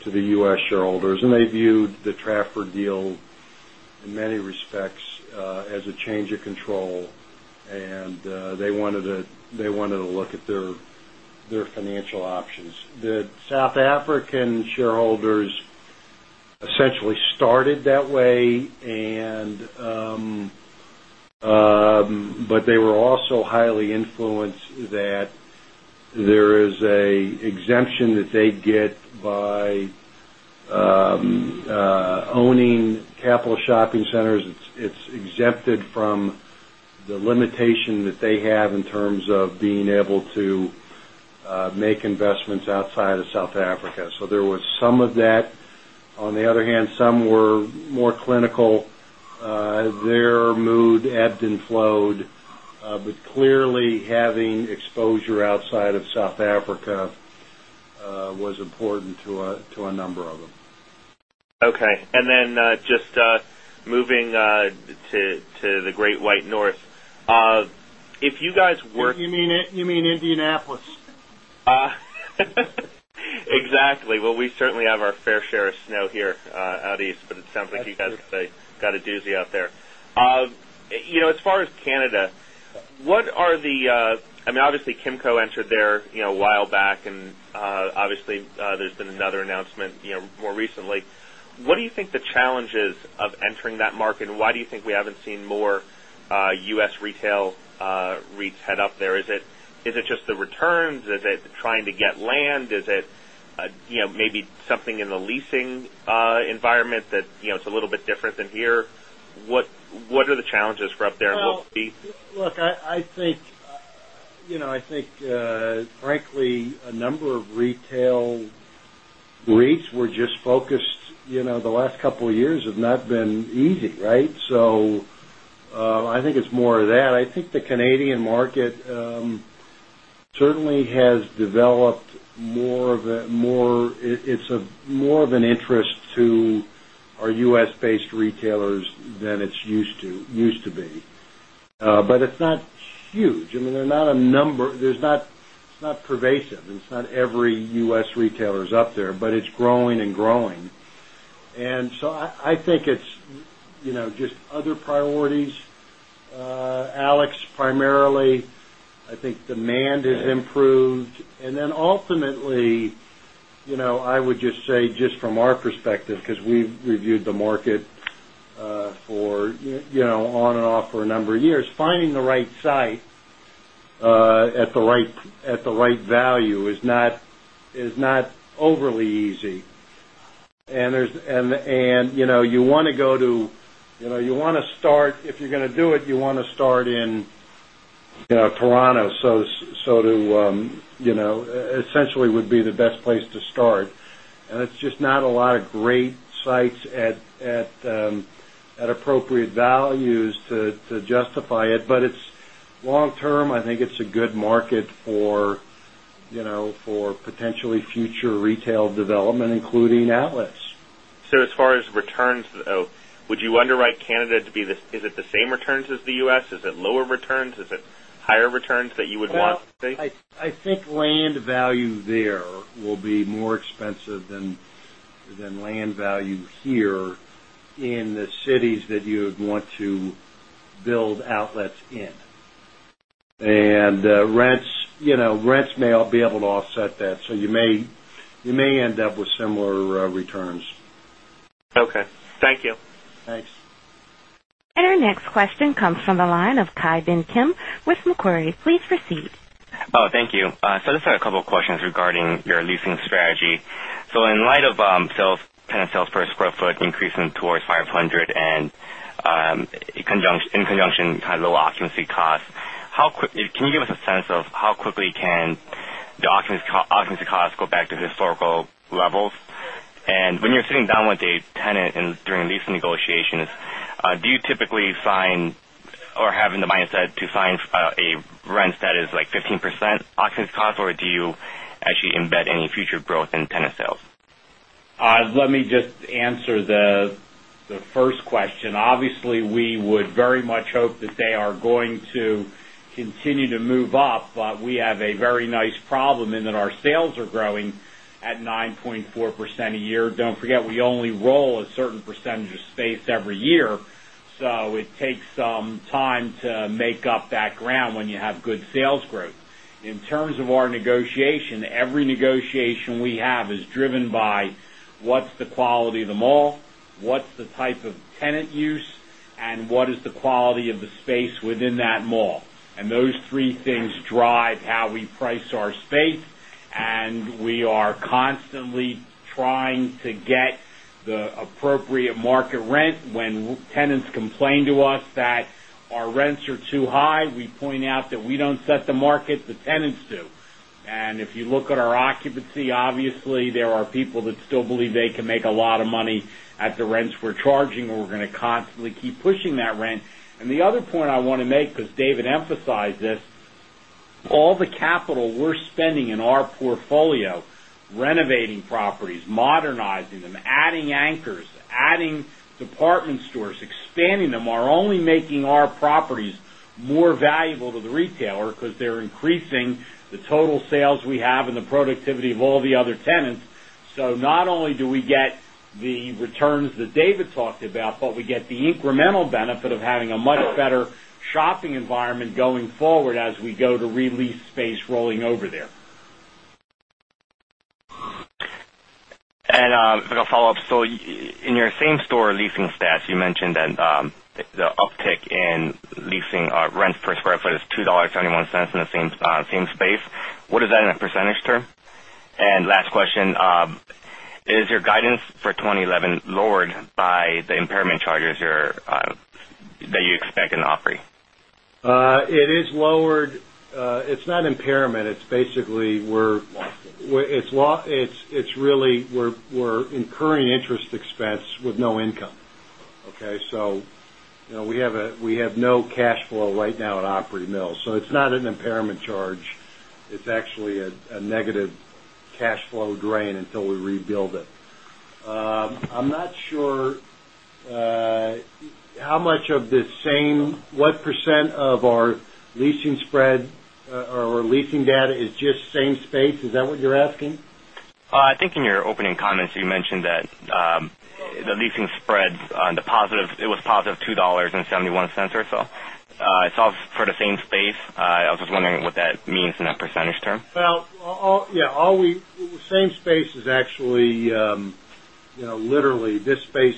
to the U. S. Shareholders and they viewed the Trafford deal in many respects as a change of control and they wanted to look at their financial options. The South African shareholders essentially started that way and but they were also highly influenced that there is an exemption that they get by owning by owning capital shopping centers. It's exempted from the limitation that they have in terms of being able to make investments outside of South Africa. So there was some of that. On the other hand, some were more clinical. Their mood ebbed and flowed, but clearly having exposure outside of South Africa was important to a number of them. Okay. And then just moving to the Great White North, if you guys work You mean Indianapolis. Exactly. Well, we certainly have our fair share of snow here out East, but it sounds like you guys got a doozy out there. As far as Canada, what are the I mean, obviously, Kimco entered there a while back and obviously there's been another announcement more recently. What do you think the challenges of entering that market and why do you think we haven't seen more U. S. Retail REITs head up there? Is it just the returns? Is it trying to get land? Is it maybe something in the leasing environment that it's a little bit different than here? What are the challenges for up there? Look, I think frankly a number of retail REITs were just focused. The last couple of years have not been easy, right? So I think it's more of that. I think the Canadian market certainly has developed more of it's more of an interest to our U. S.-based retailers than it's used to be. But it's not huge. I mean, they're not a number there's not it's not pervasive. It's not every U. S. Retailer is up there, but it's growing and growing. And so I think it's just other priorities, Alex, primarily. I think demand has improved. And then ultimately, I would just say just from our perspective because we've reviewed the market for on and off for a number of years, finding the right site at the right value is not overly easy. And there's and you want to go to you want to start if you're going to do it, you want to start in Toronto, so to essentially would be the best place to start. And it's just not a lot of great sites at appropriate values to justify it. But it's long term, I think it's a good market for potentially future retail development, including outlets. So as far as returns, would you underwrite Canada to be this is it the same returns as the U. S? Is it lower returns? Is it higher returns that you would want to take? I think land value there will be more expensive than land value here in the cities that you would want to build outlets in. And rents may all be able to offset that. So you may end up with similar returns. Okay. Thank you. Thanks. And our next question comes from the line of Ki Bin Kim with Macquarie. Please proceed. Thank you. So I just had a couple of questions regarding your leasing strategy. So in light of sales kind of sales per square foot increasing towards $500,000,000 in conjunction kind of little occupancy costs, how Can you give us a sense of how quickly can the occupancy costs go back to historical levels? And when you're sitting with a tenant and during lease negotiations, do you typically find or have in the mindset to find a rent status like 15% occupancy cost? Or do you actually embed any future growth in tenant sales? Let me just answer the first question. Obviously, we would very much hope that they are going to continue to move up, but we have a very nice problem in that our sales are growing at 9.4 percent a year. Don't forget, we only roll a certain percentage of space every year. So it takes some time to make up that ground when you have good sales growth. In terms of our negotiation, every negotiation we have is driven by what's the quality of the mall, what's the type of tenant use and what is the quality of the space within that mall. And those three things drive how we price our space and we are constantly trying to get the appropriate market rent. When tenants complain to us that our rents are too high, we point out that we don't set the market, the tenants do. And if you look at our occupancy, obviously, there are people that still believe they can make a lot of money at the rents we're charging. We're going to constantly keep pushing that rent. And the other point I want to make because David emphasized this, all the capital we're spending in our portfolio, renovating properties, modernizing them, adding anchors, adding department stores, expanding them are only making our properties more valuable to the retailer because they're increasing the total sales we have and the productivity of all the other tenants. So not only do we get the returns that David talked about, but we get the incremental benefit of having a much better shopping environment going forward as we go to re lease space rolling over there. And I've got a follow-up. So in your same store leasing stats, you mentioned that the uptick in leasing rents per square foot is $2.21 in the same space. What is that in a percentage term? And last question, is your guidance for 2011 lowered by the impairment charges that you expect in Opry? It is lowered. It's not impairment. It's basically we're it's really we're incurring interest expense with no income, okay. So we have no cash flow right now at Opry Mills. So it's not an impairment sure how much of the same what percent of our leasing spread or leasing data is just same space. Is that what you're asking? I think in your opening comments, you mentioned that the leasing spreads, the positive it was positive $2.71 or so. It's all for the same space. I was just wondering what that means in that percentage term? Well, yes, all we same space is actually literally this space,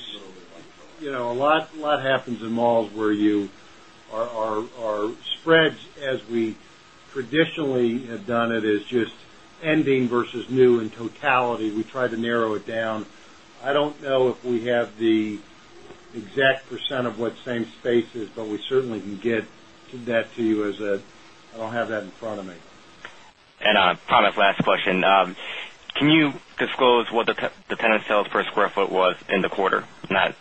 a lot happens in malls where you our spreads as we traditionally have done it is just ending versus new in totality. We try to to narrow it down. I don't know if we have the exact percent of what same space is, but we certainly can get to that to you as a I don't have that in front of me. And, Pramod, last question. Can you disclose what the tenant sales per square foot was in the quarter, not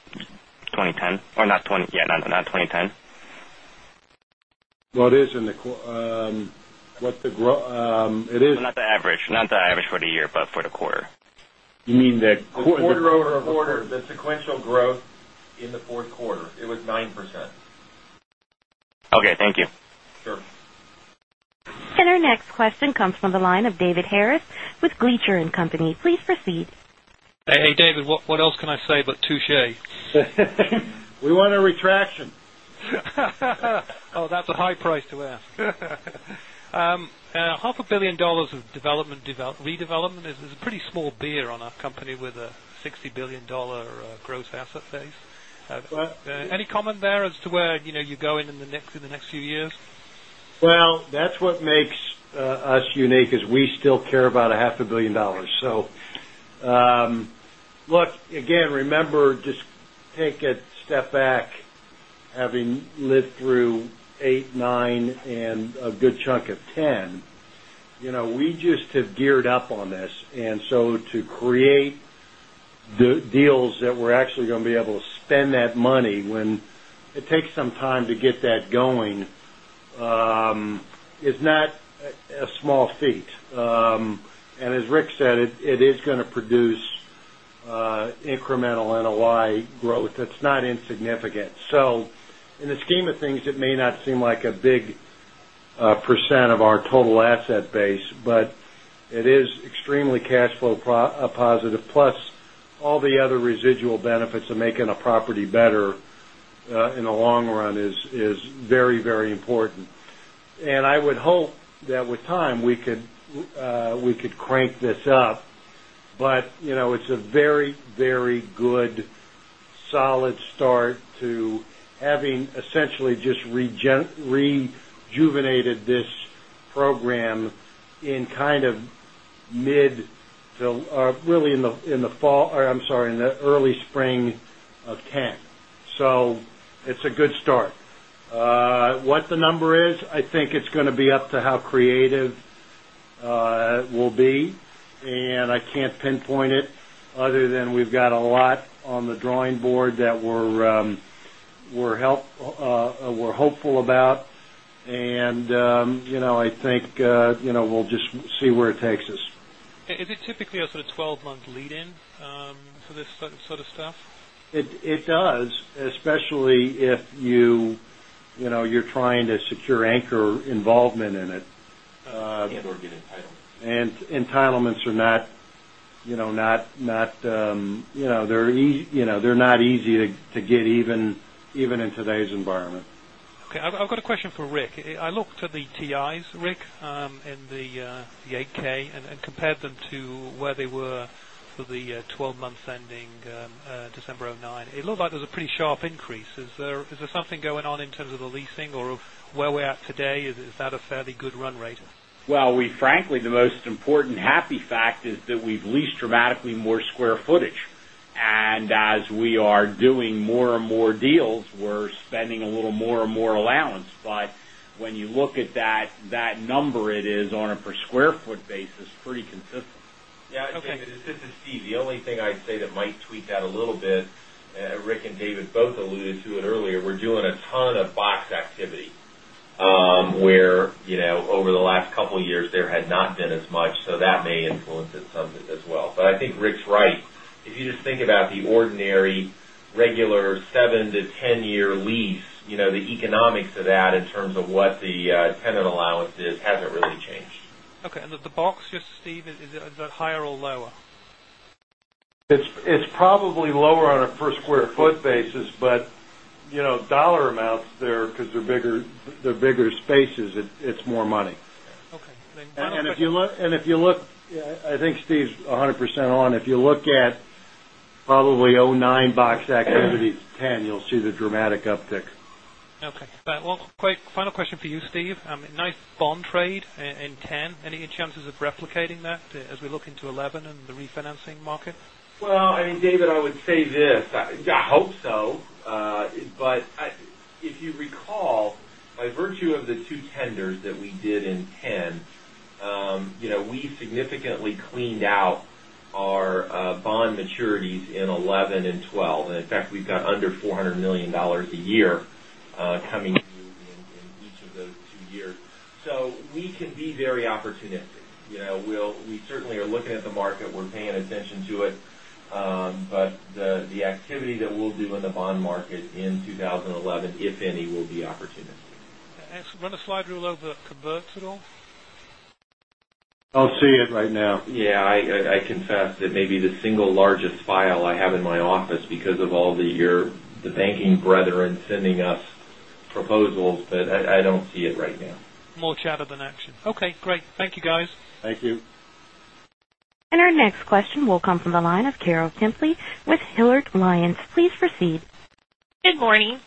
2010 or not 20 yes, not 2010? Well, it is in the what's the it is Not the average for the year, but for the quarter. You mean the quarter over quarter, the sequential growth in the 4th quarter, it was 9%. Okay. Thank you. Sure. And our next question comes from the line of David Harris with Gleacher and Company. Please proceed. Hey, David. What else can I say but touche? We want a retraction. That's a high price to ask. Dollars 500,000,000 of development redevelopment is a pretty small beer on a company with a $60,000,000,000 gross asset base. Any comment there as to where you're going in the next few years? Well, that's what makes us unique as we still care about a 500,000,000 dollars So, look, again, remember, just take a step back having lived through 8, 9 and a good chunk of 10, we just have geared up on this. And so to create the deals that we're actually going to be able to spend that money when it takes some time to get that going is not a small feat. And as Rick said, it is going to produce incremental NOI growth. That's not insignificant. So in the scheme of things, it may not seem like a big percent of our total asset base, but it is extremely cash flow positive plus all the other residual benefits of making a property better in the long run is very, very important. And I would hope that with time, we could crank this up. But it's a very, very good solid start to having essentially just rejuvenated this program in kind of mid to really in the fall I'm sorry, in the early spring of 'ten. So it's a good start. What the number is? I think it's going to be up to how creative it will be, and I can't pinpoint it other than we've got a lot on the drawing board that we're hopeful about. And I think we'll just see where it takes us. Is it typically a sort of 12 month lead in for this sort of stuff? It does, especially if you're trying to secure anchor involvement in it. And or get entitlements. Entitlements are not they're not easy to get even in today's environment. Okay. I've got a question for Rick. I looked at the TIs, Rick, in the 8 ks and compared them to where they were for the 12 months ending December 'nine. It looks like there's a pretty sharp increase. Is there important happy fact is that we've leased dramatically more square footage. And as we are doing more and more deals, we're spending a little more and more allowance. But when you look at that number, it is on a per square foot basis pretty consistent. Yes. David, this is Steve. The only thing I'd say that might tweak that a little bit, Rick and David both alluded to it earlier, we're doing a ton of box activity, where over the last some as well. But I think Rick's right. If you just think about the ordinary regular 7 to 10 year lease, the economics of that in terms of what the tenant allowance is hasn't really changed. And the box, just Steve, is that higher or lower? It's probably lower on a per square foot basis, but dollar amounts there because they're bigger spaces, it's more money. Okay. And if you look I think Steve is 100% on, if you look at probably 'nine box activities, 'ten, you'll see the dramatic uptick. Okay. One quick final question for you, Steve. Nice bond trade in 'ten. Any chances of replicating that as we look into 'eleven and the refinancing market? Well, I mean, David, I would say this, I hope so. But if you recall, by virtue of the 2 tenders that we did in 'ten, we significantly cleaned out our bond maturities in 'eleven and 'twelve. And fact, we've got under $400,000,000 a year coming in each of those 2 years. So we can be very opportunistic. We certainly are looking at the market. We're paying attention to it. But the activity that we'll do in the bond market in 2011, if any, will be opportunistic. And run a slide rule over converts at all? I'll see it right now. Yes, I confess that maybe the single largest file I have in my office because of all the banking brethren sending us proposals, but I don't see it right now. And our next question will come from the line of Carol Kemplay with Hillard Lyons. Please proceed. Good morning.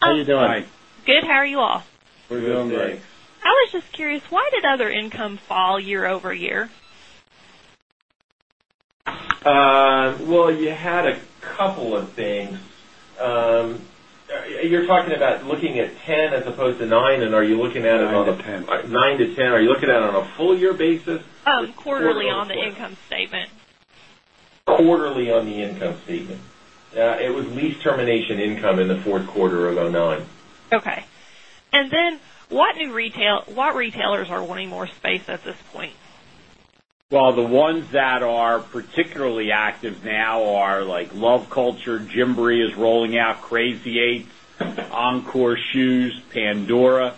How are you doing? Good. How are you all? We're doing great. I was just curious why did other income fall year over year? Well, you had a couple of things. You're talking about looking at 10% as opposed to 9% and are you looking at it on 9% to 10%. Are you looking at it on a full year basis? Quarterly on the income statement. Quarterly on the income statement. It was lease termination income in the Q4 of 2009. Okay. And then what new retail what retailers are wanting more space at this point? Well, the ones that are particularly active now are like Love Culture, Gymboree is rolling out Crazy 8, Encore Shoes, Pandora.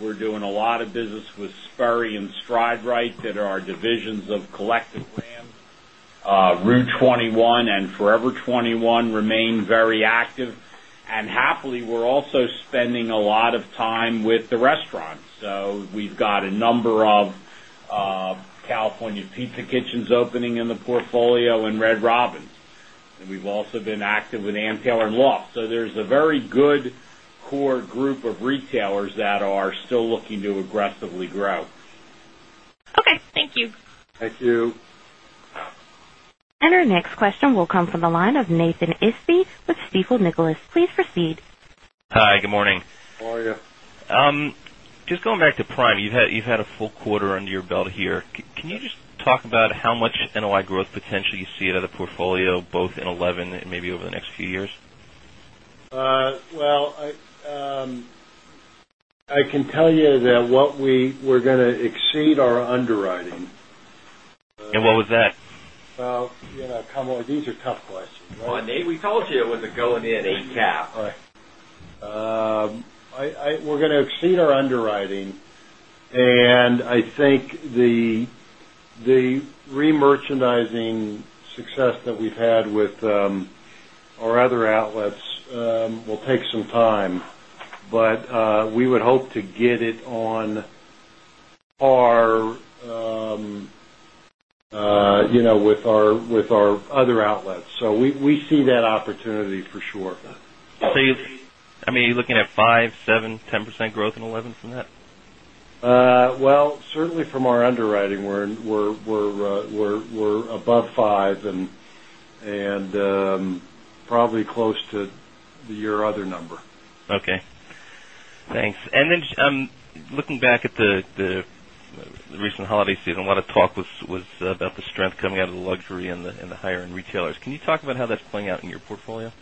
We're doing a lot of business with Sperry and Stride Rite that are divisions of Collected Brands. Route 21 and Forever 21 remain very active. And happily, we're also spending a lot of time with the restaurants. So we've got a number of California Pizza Kitchens opening in the portfolio and Red Robin's. And we've also been active with Ann Taylor and LOFT. So there's a very good core group of retailers that are still looking to aggressively grow. Okay. Thank you. Thank you. And our next question will come from the line of Nathan Iffy with Stifel Nicolaus. Please proceed. Hi, good morning. How are you? Just going back to Prime, you've had a full quarter under your belt here. Can you just talk how much NOI growth potential you see out of the portfolio, both in 2011 and maybe over the next few years? Well, I can tell you that what we were going to exceed our underwriting. And what was that? Well, Kamal, these are tough questions. Well, Nate, we told you it was a going in 8% cap. We're going to exceed our underwriting. And I think the remerchandising success that we've had with our other outlets will take some time, but we would hope to get it are with our other outlets. So we see that opportunity for sure. I mean, are you looking at 5%, 7%, 10% growth in 11% from that? Well, certainly from our underwriting, we're above 5% and probably close to your other number. Okay. Thanks. And then looking back at the recent holiday season, a lot of talk was about strength coming out of the luxury and the higher end retailers. Can you talk about how that's playing out in your portfolio?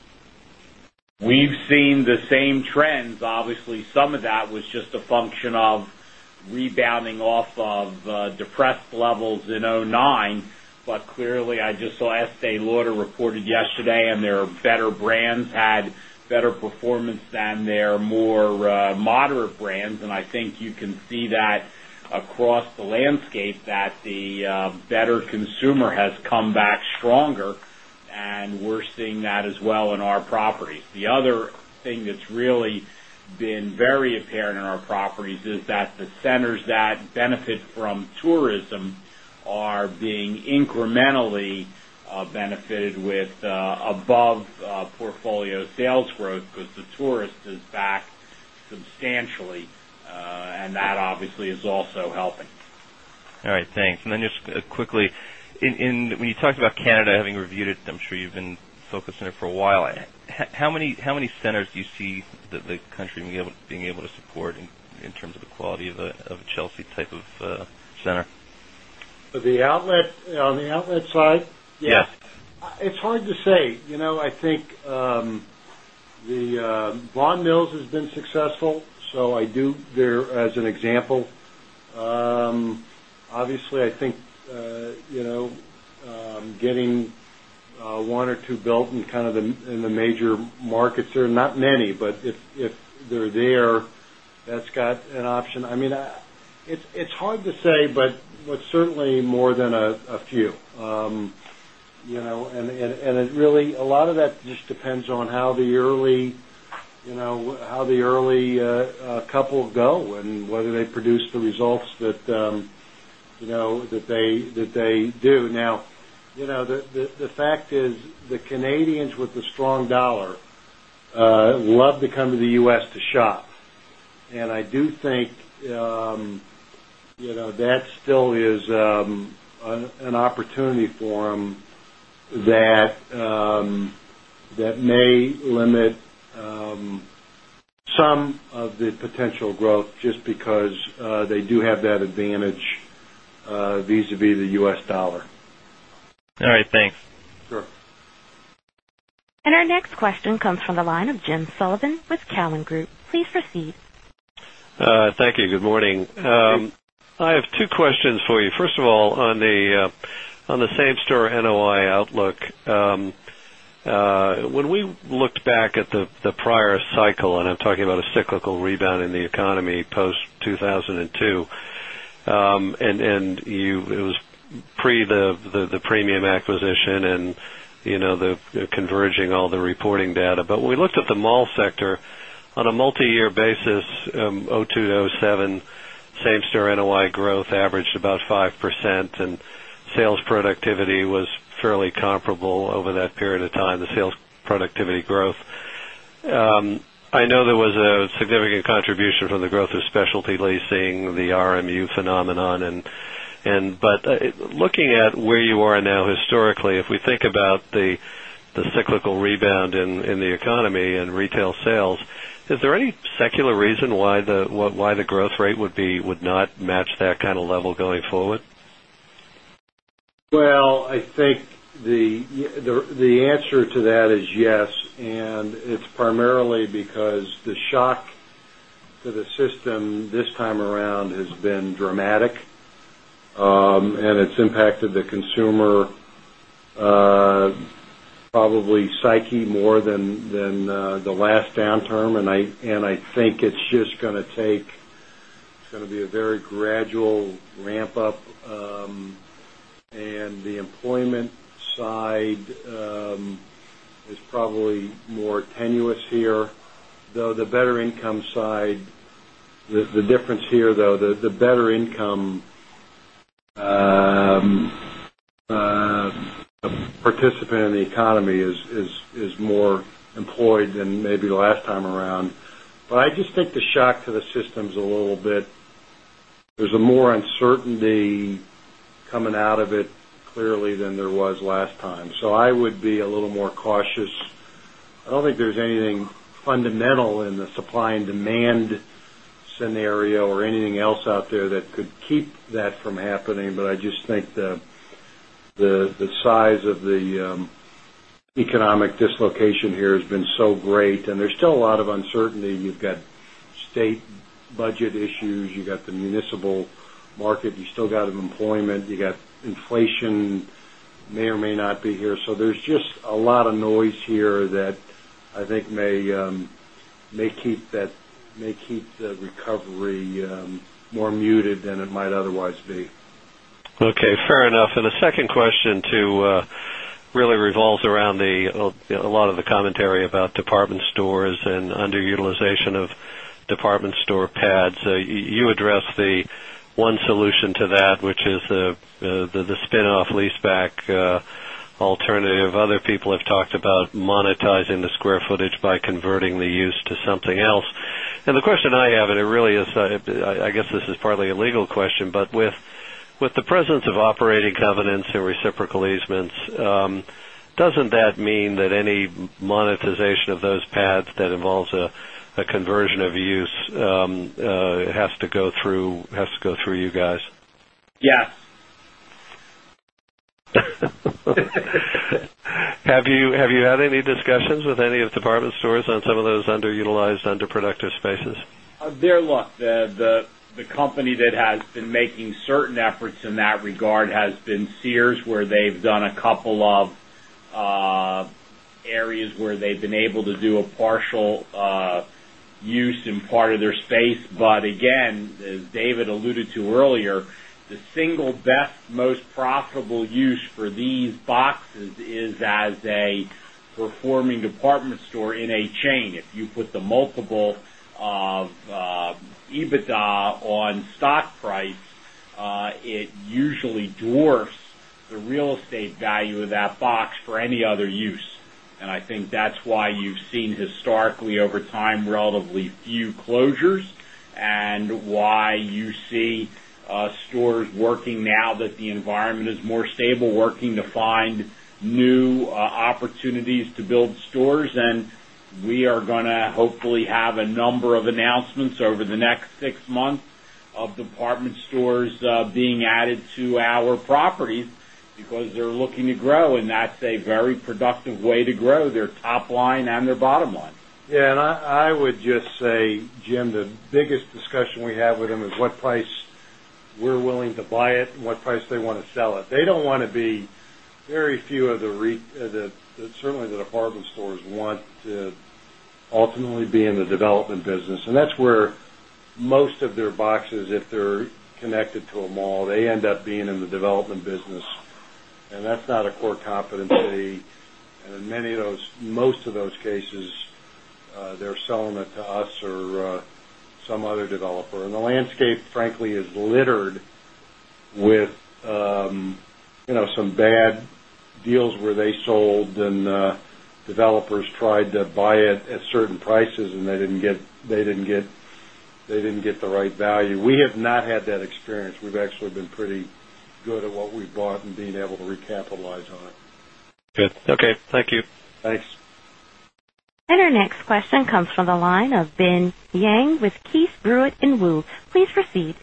We've seen the same trends. Obviously, some of that was just a function of rebounding off of depressed levels in 2009. But clearly, I just saw Estee Lauder reported yesterday and their better brands had better performance than their more moderate brands. And I think you can see that across the landscape that the better consumer has come back stronger, and we're seeing that as well in our properties. The other thing that's been very apparent in our properties is that the centers that benefit from tourism are being incrementally benefited with above portfolio sales growth because the tourist is back substantially and that obviously is also helping. All right. Thanks. And then just quickly, when you talked about Canada having reviewed it, I'm sure you've been focused on it for a while. How many centers do you see the country being able to support in terms of the quality of Chelsea type of center? On the outlet side, yes. It's hard to say. I think the bond mills has been successful. So I do there as an example. Obviously, I think getting 1 or 2 built in kind of the major markets, there are not many, but if they're there, that's got an option. I mean, it's hard to say, but certainly more than a few. And it really a lot of that just depends on couple go and whether they produce the results that they do. Now, the fact is the Canadians with the strong dollar love to come to the U. S. To shop. And I do think that still is an opportunity for them that may limit some of the potential growth just because they do have that advantage visavis the U. S. Dollar. All right. Thanks. Sure. And our next question comes from the line of Jim Sullivan with Cowen Group. Please proceed. Thank you. Good morning. Good morning. I have two questions for you. First of all, on the same store NOI outlook, when we looked back at the prior cycle and I'm talking about a cyclical rebound in the economy post 2,002 And it was pre the premium acquisition and the converging all the sales productivity was fairly comparable over that period of time, the sales productivity growth. I know there was a significant contribution from the growth of specialty leasing, the RMU phenomenon and but looking at where you are now historically, if we think about the cyclical rebound in the economy and retail sales, is there any secular the answer to that is yes. And it's primarily because the shock to the system this time around has been dramatic and it's impacted the consumer probably psyche more than the last downturn. And I think it's just going to take it's going to be a very gradual ramp up. And the employment side is probably more tenuous here. Though the better income side, the difference here though, the better income participant in the economy is more employed than maybe the last time around. But I just think the shock to the systems a little bit, there's a more uncertainty coming out of it clearly than there was last time. So I would be a little more cautious. I don't think there's anything fundamental in the supply and demand scenario or anything else out there that could keep that from happening. But I just think the size of the economic dislocation here has been so great and there's still a lot of uncertainty. You've got state budget issues, you've got the municipal market. You still got employment. You got inflation may or may not be here. So there's just a lot of noise here that I think may keep that may keep the recovery more muted than it might otherwise be. Okay, fair enough. And the second question to really revolves around the a lot of commentary about department stores and underutilization of department store pads. So you addressed the one solution to that, which is the spin off leaseback alternative. Other people have talked about monetizing the square footage by converting the use to something else. And the question I have and it really is, I guess this is partly a legal question, but the presence of operating covenants and reciprocal easements, doesn't that mean that any monetization of those pads that involves a conversion of use has to go through you guys? Yes. Have you had any discussions with any of department stores on some of those underutilized underproductive spaces? They're look, The company that has been making certain efforts in that regard has been Sears, where they've done a couple of areas where they've been able to do a partial use in part of their space. But again, as David alluded to earlier, the single best profitable use for these boxes is as a performing department store in a chain. If you put the multiple of EBITDA on stock price, it usually dwarfs the real estate value of that box for any other use. And I think that's why you've seen historically over time relatively few closures and why you see stores working now that the environment is more stable, working to find new opportunities to build stores. And we are going to hopefully have a number of announcements over the next 6 months of department stores being And I And I would just say, Jim, the biggest discussion we have with them is what price we're willing to buy it and what price they want to sell it. They don't want to be very few of the certainly the department stores want to ultimately be in the development business. And that's where most of their boxes, if they're connected to a mall, they end up being in the development business. And that's not a core competency. And in many of those most of those cases, they're selling it to us or some other developer. And the landscape frankly is littered with some bad deals where they sold and developers tried to buy it at certain prices and they didn't get the right value. We have not had that experience. We've actually been pretty good at what we've bought and being able to recapitalize on it. Good. Okay. Thank you. Thanks. And our next question comes from the line of Bin Yang with Keith, Bruin and Wu. Please proceed.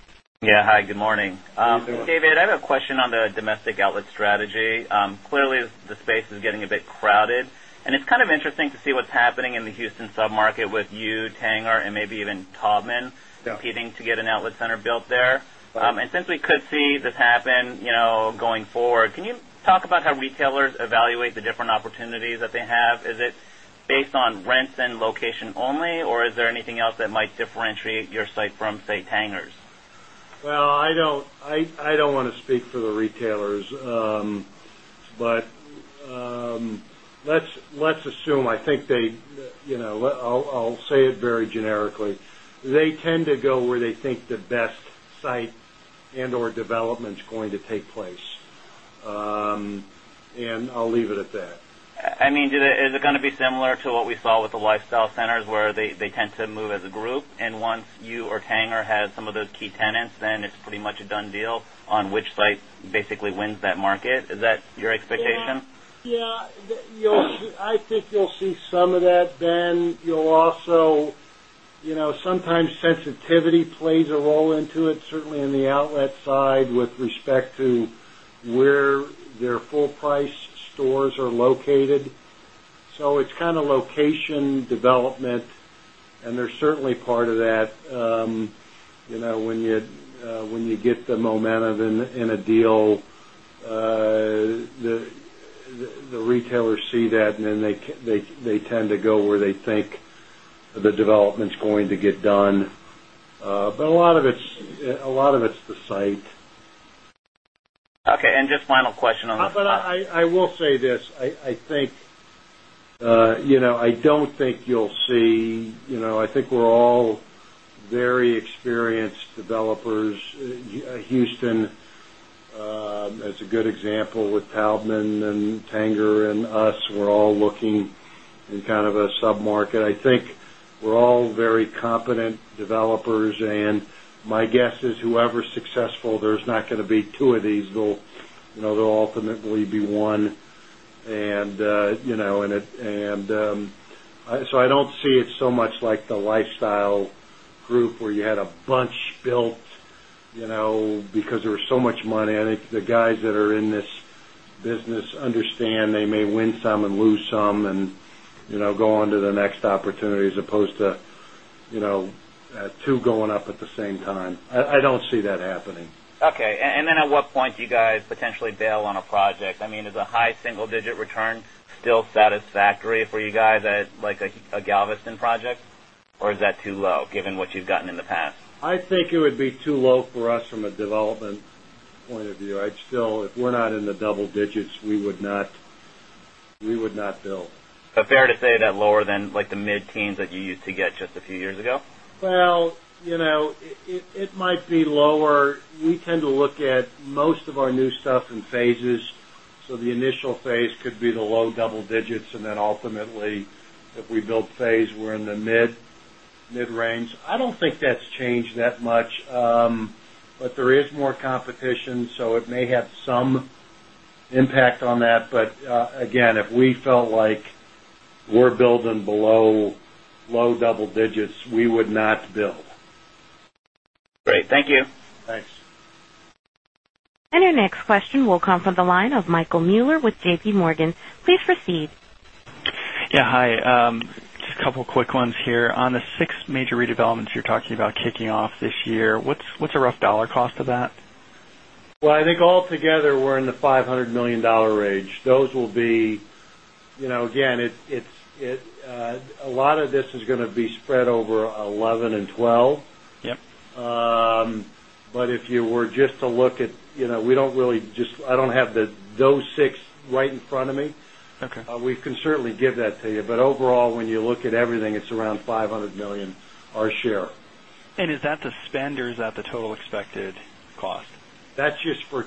Yes. Hi, good morning. Good morning, Bin. David, I have a question on the domestic outlet strategy. Clearly, the space is getting a bit crowded. And it's kind of interesting to see what's happening in the Houston submarket with you, Tang or maybe even Taubman competing to get an outlet center built there. And since we could see this happen going forward, can you talk about how retailers evaluate the different opportunities that they have? Is it based on rents and location only or is there anything else that might differentiate your site from say, Tanger's? Well, I don't want to speak for the retailers. But let's assume, I think they I'll say it very generically. They tend to go where they think the best site and or development is going to take place. And I'll leave it at that. I mean, is it going to be similar to what we saw with the lifestyle centers where they tend to move as a group? And once you or Tanger has some of those key tenants, then it's pretty much a done deal on which site also sometimes sensitivity plays a role into it certainly in the outlet side with respect to where their full price stores are located. So it's kind of location development and they're certainly part of that when you get the momentum in a deal, the retailers see that and then they tend to go where they think the development is going to get done. But a lot of it's the site. Okay. And just final question on But I will say this, I think, I don't think you'll see, I think we're all very experienced developers. Houston, as a good example with Taubman and Tanger and us, we're all looking in kind of a submarket. I think we're all very competent developers and my guess is whoever is successful, there's not going to be 2 of these. They'll ultimately be 1. And so I don't see it so much like the lifestyle group where you had a bunch built because there was so much money. I think the guys that are in this business time. I don't see that happening. Okay. And then at what point do you guys potentially bail on a project? I mean is the high single digit return still satisfactory for you guys like a Galveston project? Or is that too low given what you've gotten in the past? I think it be too low for us from a development point of view. I'd still if we're not in the double digits, we would not bill. But fair to say that lower than like the mid teens that you used to get just a few years ago? Well, it might be lower. We tend to look at most of our new stuff in phases. So the initial phase could be the low double digits and then ultimately if we build phase, we're in the mid range But there is more competition, so it may have some impact on that. But again, if we felt like we're building below low double digits, we would not build. Great. Thank you. Thanks. And your next question will come from the line of Michael Mueller with JPMorgan. Please proceed. Yes. Hi. Just a couple of quick ones here. On the 6 major redevelopments you're talking about kicking off this year, what's the rough dollar cost of that? Well, I think altogether, we're in the $500,000,000 range. Those will be again, it's a lot of this is going to be spread over 11 and 12. But if you were just to look at we don't really just I don't have those 6 right in front of me. We can certainly give that to you. But overall, when you look at everything, it's around $500,000,000 our share. And is that the spend or is that the total expected cost? That's just for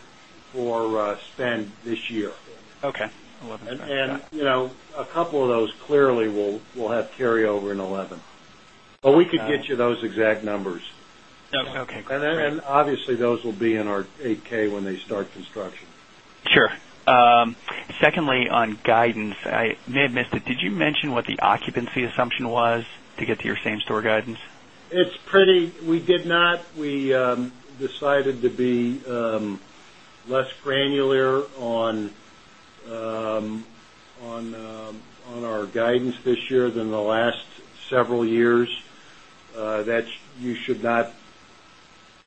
spend this year. Okay. 11%. And a couple of those clearly will have carryover in 11%. But we could get you those exact numbers. Okay. And then obviously those will be in our 8 ks when they start construction. Sure. Secondly, on guidance, I may have missed it, did you mention what the occupancy assumption was to get to your same store guidance? We did not. We decided to be less granular on our guidance this year than the last several years that you should not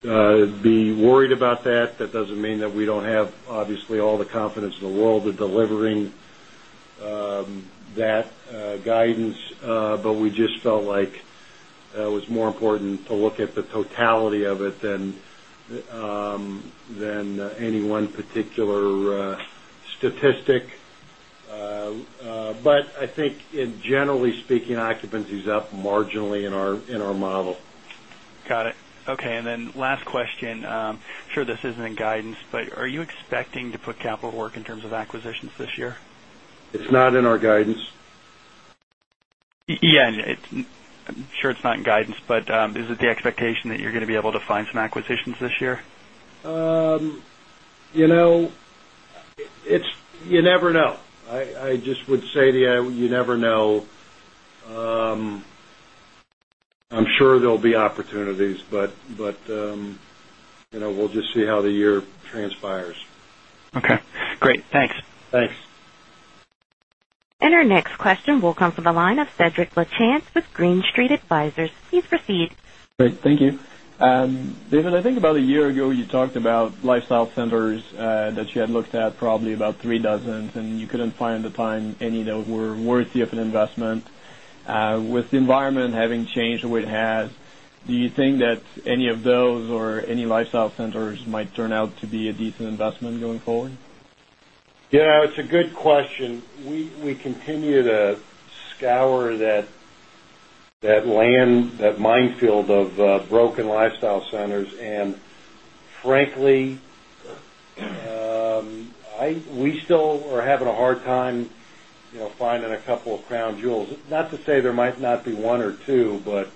be worried about that. That doesn't mean that we don't have obviously all the confidence in the world of delivering that guidance, but we just felt like it was more important to look at the totality of it than any one particular statistic. But I think generally speaking occupancy is up marginally in our model. Got it. Okay. And then last Sure, this isn't in guidance, but are you expecting to put capital to work in terms of acquisitions this year? It's not in our guidance. Yes. I'm sure it's not in guidance, but is it the expectation that you're going to be able to find some acquisitions this year? It's you never know. I just would say to you, you never know. I'm sure there'll be opportunities, but we'll just see how the year transpires. Okay, great. Thanks. Thanks. And our next question will come from the line of Cedric Lechamps with Green Street Advisors. Please proceed. Great. Thank you. David, I think about a year ago, you talked about lifestyle centers that you had looked at probably about 3 dozens and you couldn't find the time any that were worthy of an investment. With the environment having changed the way it has, do you think that any of those or any lifestyle centers might turn out to be a decent investment going forward? Yes, it's a good question. We continue to scour that land, that minefield of broken lifestyle centers. And frankly, we still are having a hard time finding a couple of crown jewels. Not to say there might not be 1 or 2, but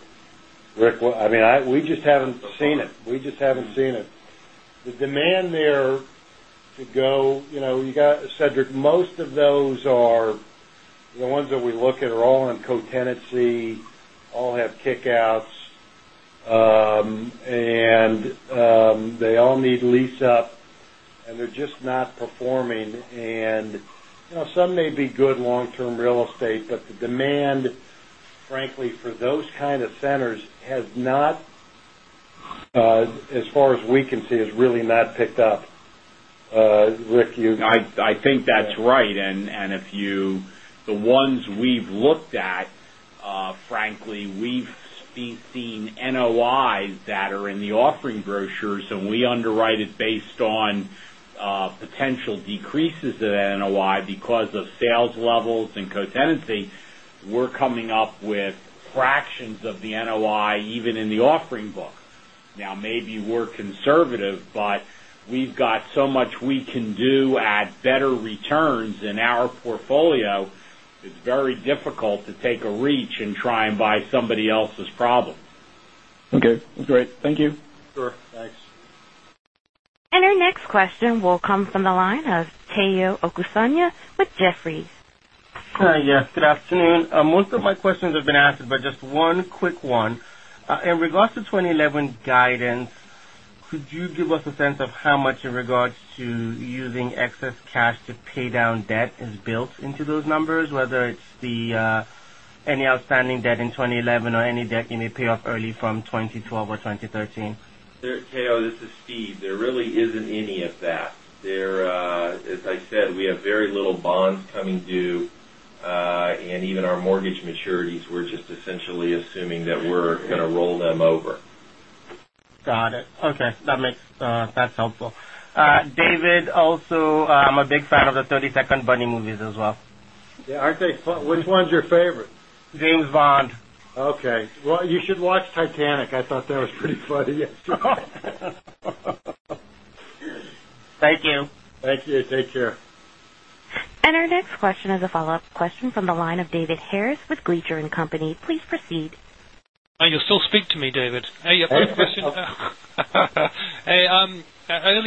Rick, I mean, we just haven't seen it. We just haven't seen it. The demand there to go, you got Cedric, most of those are the ones that we look at are all in co tenancy, all have kick outs, and they all need lease up and they're just not performing. And some may be good long term real estate, but the demand frankly for those kind of centers has not, as far as we can see, has really not picked up. Rick, you I think that's right. And if you the ones we've looked at, frankly, we've seen NOIs that are in the offering brochures and we underwrite it based on potential decreases in NOI because of sales levels and co tenancy, we're coming up with fractions of the NOI even in the offering book. Now maybe we're conservative, but we've got so much we can do at better returns in our portfolio, it's very difficult to take a reach and try and buy somebody else's problem. Okay, great. Thank you. Sure. Thanks. And our next question will come from the line of Tayo Okusanya with Jefferies. Yes. Good afternoon. Most of my questions have been asked, but just one quick one. In regards to 20 11 guidance, could you give us a sense of how much in regards to using excess cash to pay down debt is built into those numbers, whether it's the any outstanding debt in 2011 or any debt you may pay off early from 2012 or 2013? Tayo, this is Steve. There really isn't any of that. There as I said, we have very little bonds coming due. And even our mortgage maturities, we're just essentially assuming that we're going to roll them over. Got it. Okay. That makes that's helpful. David, also I'm a big fan of the 32nd Bunny movies as well. Yes. Which one is your favorite? James Bond. Okay. Well, you should watch Titanic. I thought that was pretty funny. Thank you. Thank you. Take care. And our next question is a follow-up question from the line of David Harris with Gleacher and Company. Please proceed. You still speak to me, David. Early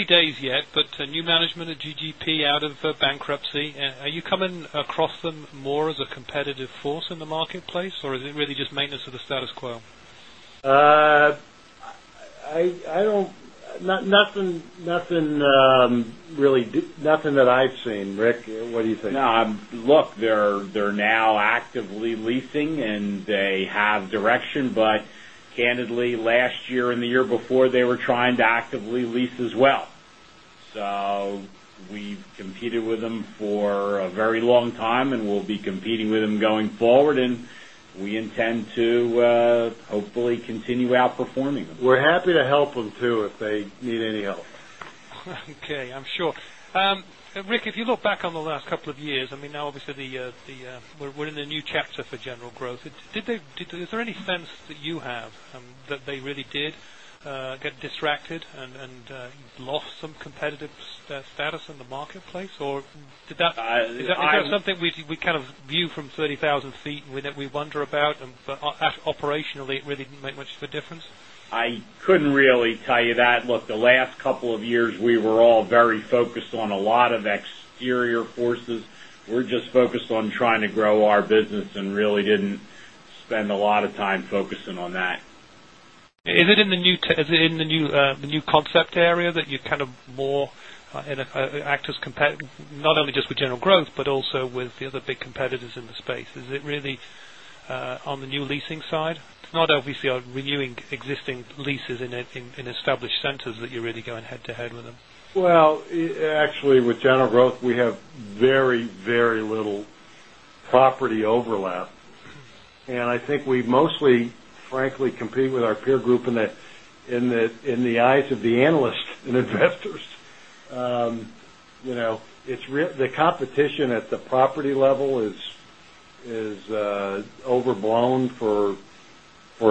days yet, but new management at GGP out of bankruptcy, are you coming across them more as a competitive force in the marketplace or is it really just maintenance of the status quo? I don't nothing really nothing that I've seen. Rick, what do you think? No. Look, they're now actively leasing and they have direction. But candidly, last year and the year before, they were trying to actively lease as well. So we've competed with them for a very long time and we'll be competing with them going forward, and we intend to hopefully continue outperforming them. We're happy to help them too if they need any help. Okay. I'm sure. Rick, if you look back on the last couple of years, I mean, now obviously, we're in the new chapter for general growth. Did they is there any sense that you have that they really did get distracted and lost some competitive status in the marketplace? Or did that is that something we kind of view from 30,000 feet that we wonder about and operationally it really didn't make much of a difference? I couldn't really tell you that. Look, the last couple of years, we were all very focused on a lot of exterior forces. We're just focused on trying to grow our business and really didn't spend a lot of time focusing on that. Is it in the new concept area that you kind of more act as compared not only just with general growth, but also with the other big competitors in the space? Is it really on the new leasing side? Not obviously renewing existing leases in established centers that you're really going head to head with them. Well, actually with General Growth, we have very, very little property overlap. And I think we mostly frankly compete with our peer group in the eyes of the analysts and investors. It's real the competition at the property level is overblown for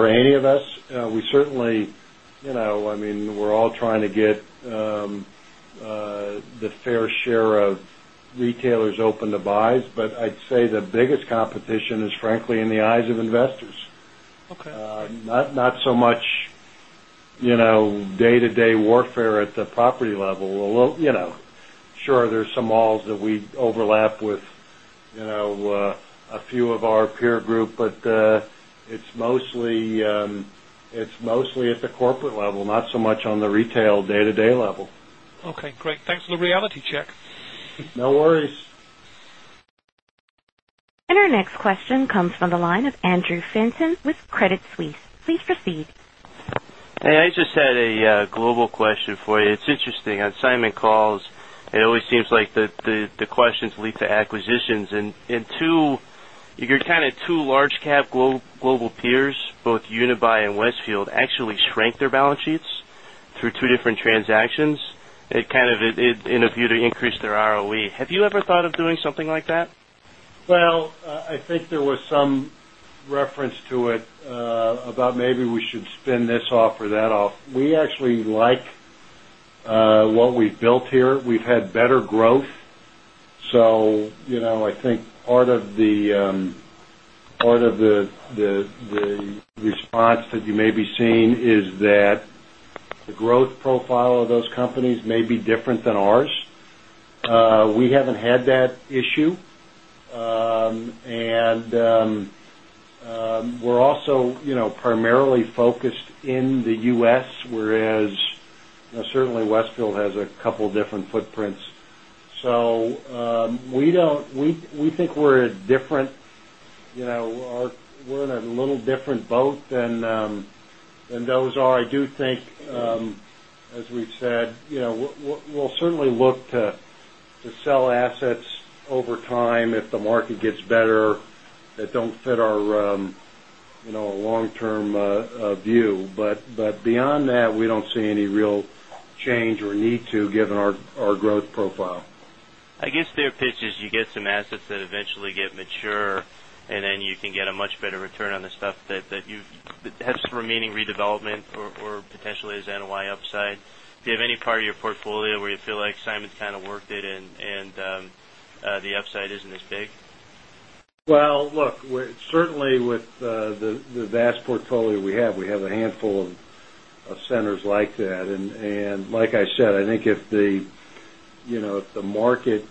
any of us. We certainly I mean, we're all trying to get the fair share of retailers open to buys, but I'd say the biggest competition is frankly in the eyes of investors. Okay. Not so much day to day warfare at the property level. Sure, there's some malls that we overlap with a few of our peer group, but it's mostly at the corporate level, not so much on the retail day to day level. Okay, great. Thanks for the reality check. No worries. And our next question comes from the line of Andrew Fenton with Credit Suisse. Please proceed. I just had a global question for you. It's interesting on assignment calls, it always seems like the questions lead to acquisitions. And 2, you're kind of 2 large cap global peers, both Unibail and Westfield actually shrank their balance sheets through 2 different transactions, kind of in a view to increase their ROE. Have you ever thought of doing something like that? Well, I think there was some reference to it about maybe we should spin this off or that off. We actually like what we've built here. We've had better growth. So I think part of the response that you may be seeing is that the growth profile of those companies may be different than ours. We haven't had that issue and we're also primarily focused in the U. S. Whereas certainly Westfield has a couple of different footprints. So we don't we think we're different we're in a little different boat than those are. I do think, as we've said, we'll certainly look to sell assets over time if the market gets better that don't fit our long term view. But beyond that, we don't see any real change or need to given our growth profile. I guess their pitch is you get some assets that eventually get mature and then you can get a much better return on the stuff that you have remaining redevelopment or potentially is NOI upside. Do you have any part of your portfolio where you feel like Simon's kind of worked it in and the upside isn't as big? Well, look, certainly with the vast portfolio we have, we have a handful of centers like that. And like I said, I think if the market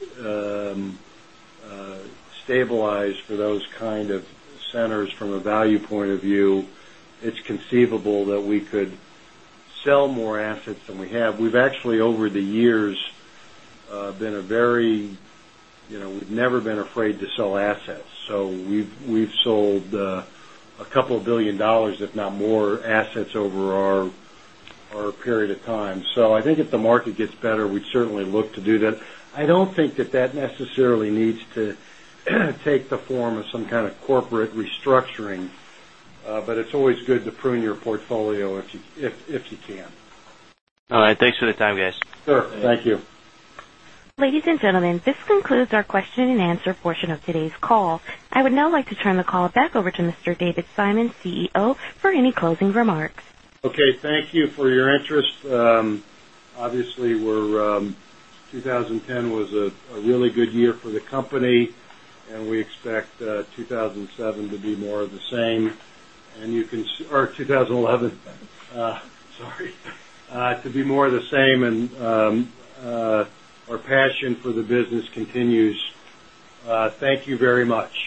stabilize for those kind of centers from a value point of view, it's conceivable that we could sell more assets than we have. We've actually over the years been a very we've never been afraid to sell assets. So we've sold a couple of $1,000,000,000 if not more assets over our period of time. So I think if the market gets better, we'd certainly look to that. I don't think that that necessarily needs to take the form of some kind of corporate restructuring, but it's always good to prune your portfolio if you can. All right. Thanks for the time, guys. Sure. Thank you. Ladies and gentlemen, this concludes our question and answer portion of today's call. I would now like to turn the call back over to Mr. David Simon, CEO for any closing remarks. Okay. Thank you for your interest. Obviously, we're 2010 was a really good year for the company and we expect 2,007 to be more of the same and you can or 2011, sorry, to be more of the same and our passion for the business continues. Thank you very much.